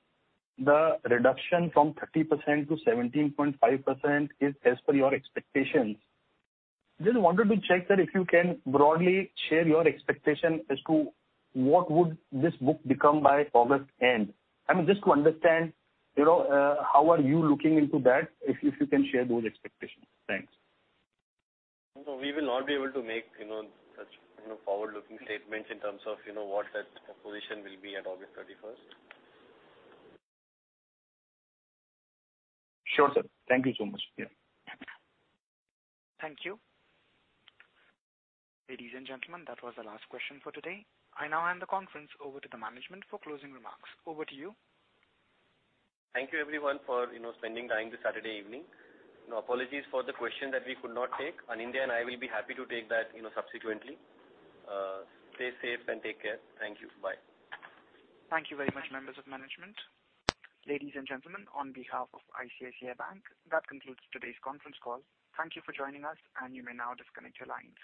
the reduction from 30% to 17.5% is as per your expectations. Just wanted to check, sir, if you can broadly share your expectation as to what would this book become by August end. I mean, just to understand, how are you looking into that if you can share those expectations? Thanks. We will not be able to make such forward-looking statements in terms of what that position will be at August 31st. Sure, sir. Thank you so much. Yeah. Thank you. Ladies and gentlemen, that was the last question for today. I now hand the conference over to the management for closing remarks. Over to you. Thank you, everyone, for spending time this Saturday evening. Apologies for the question that we could not take. Anindya and I will be happy to take that subsequently. Stay safe and take care. Thank you. Bye. Thank you very much, members of management. Ladies and gentlemen, on behalf of ICICI Bank, that concludes today's conference call. Thank you for joining us, and you may now disconnect your lines.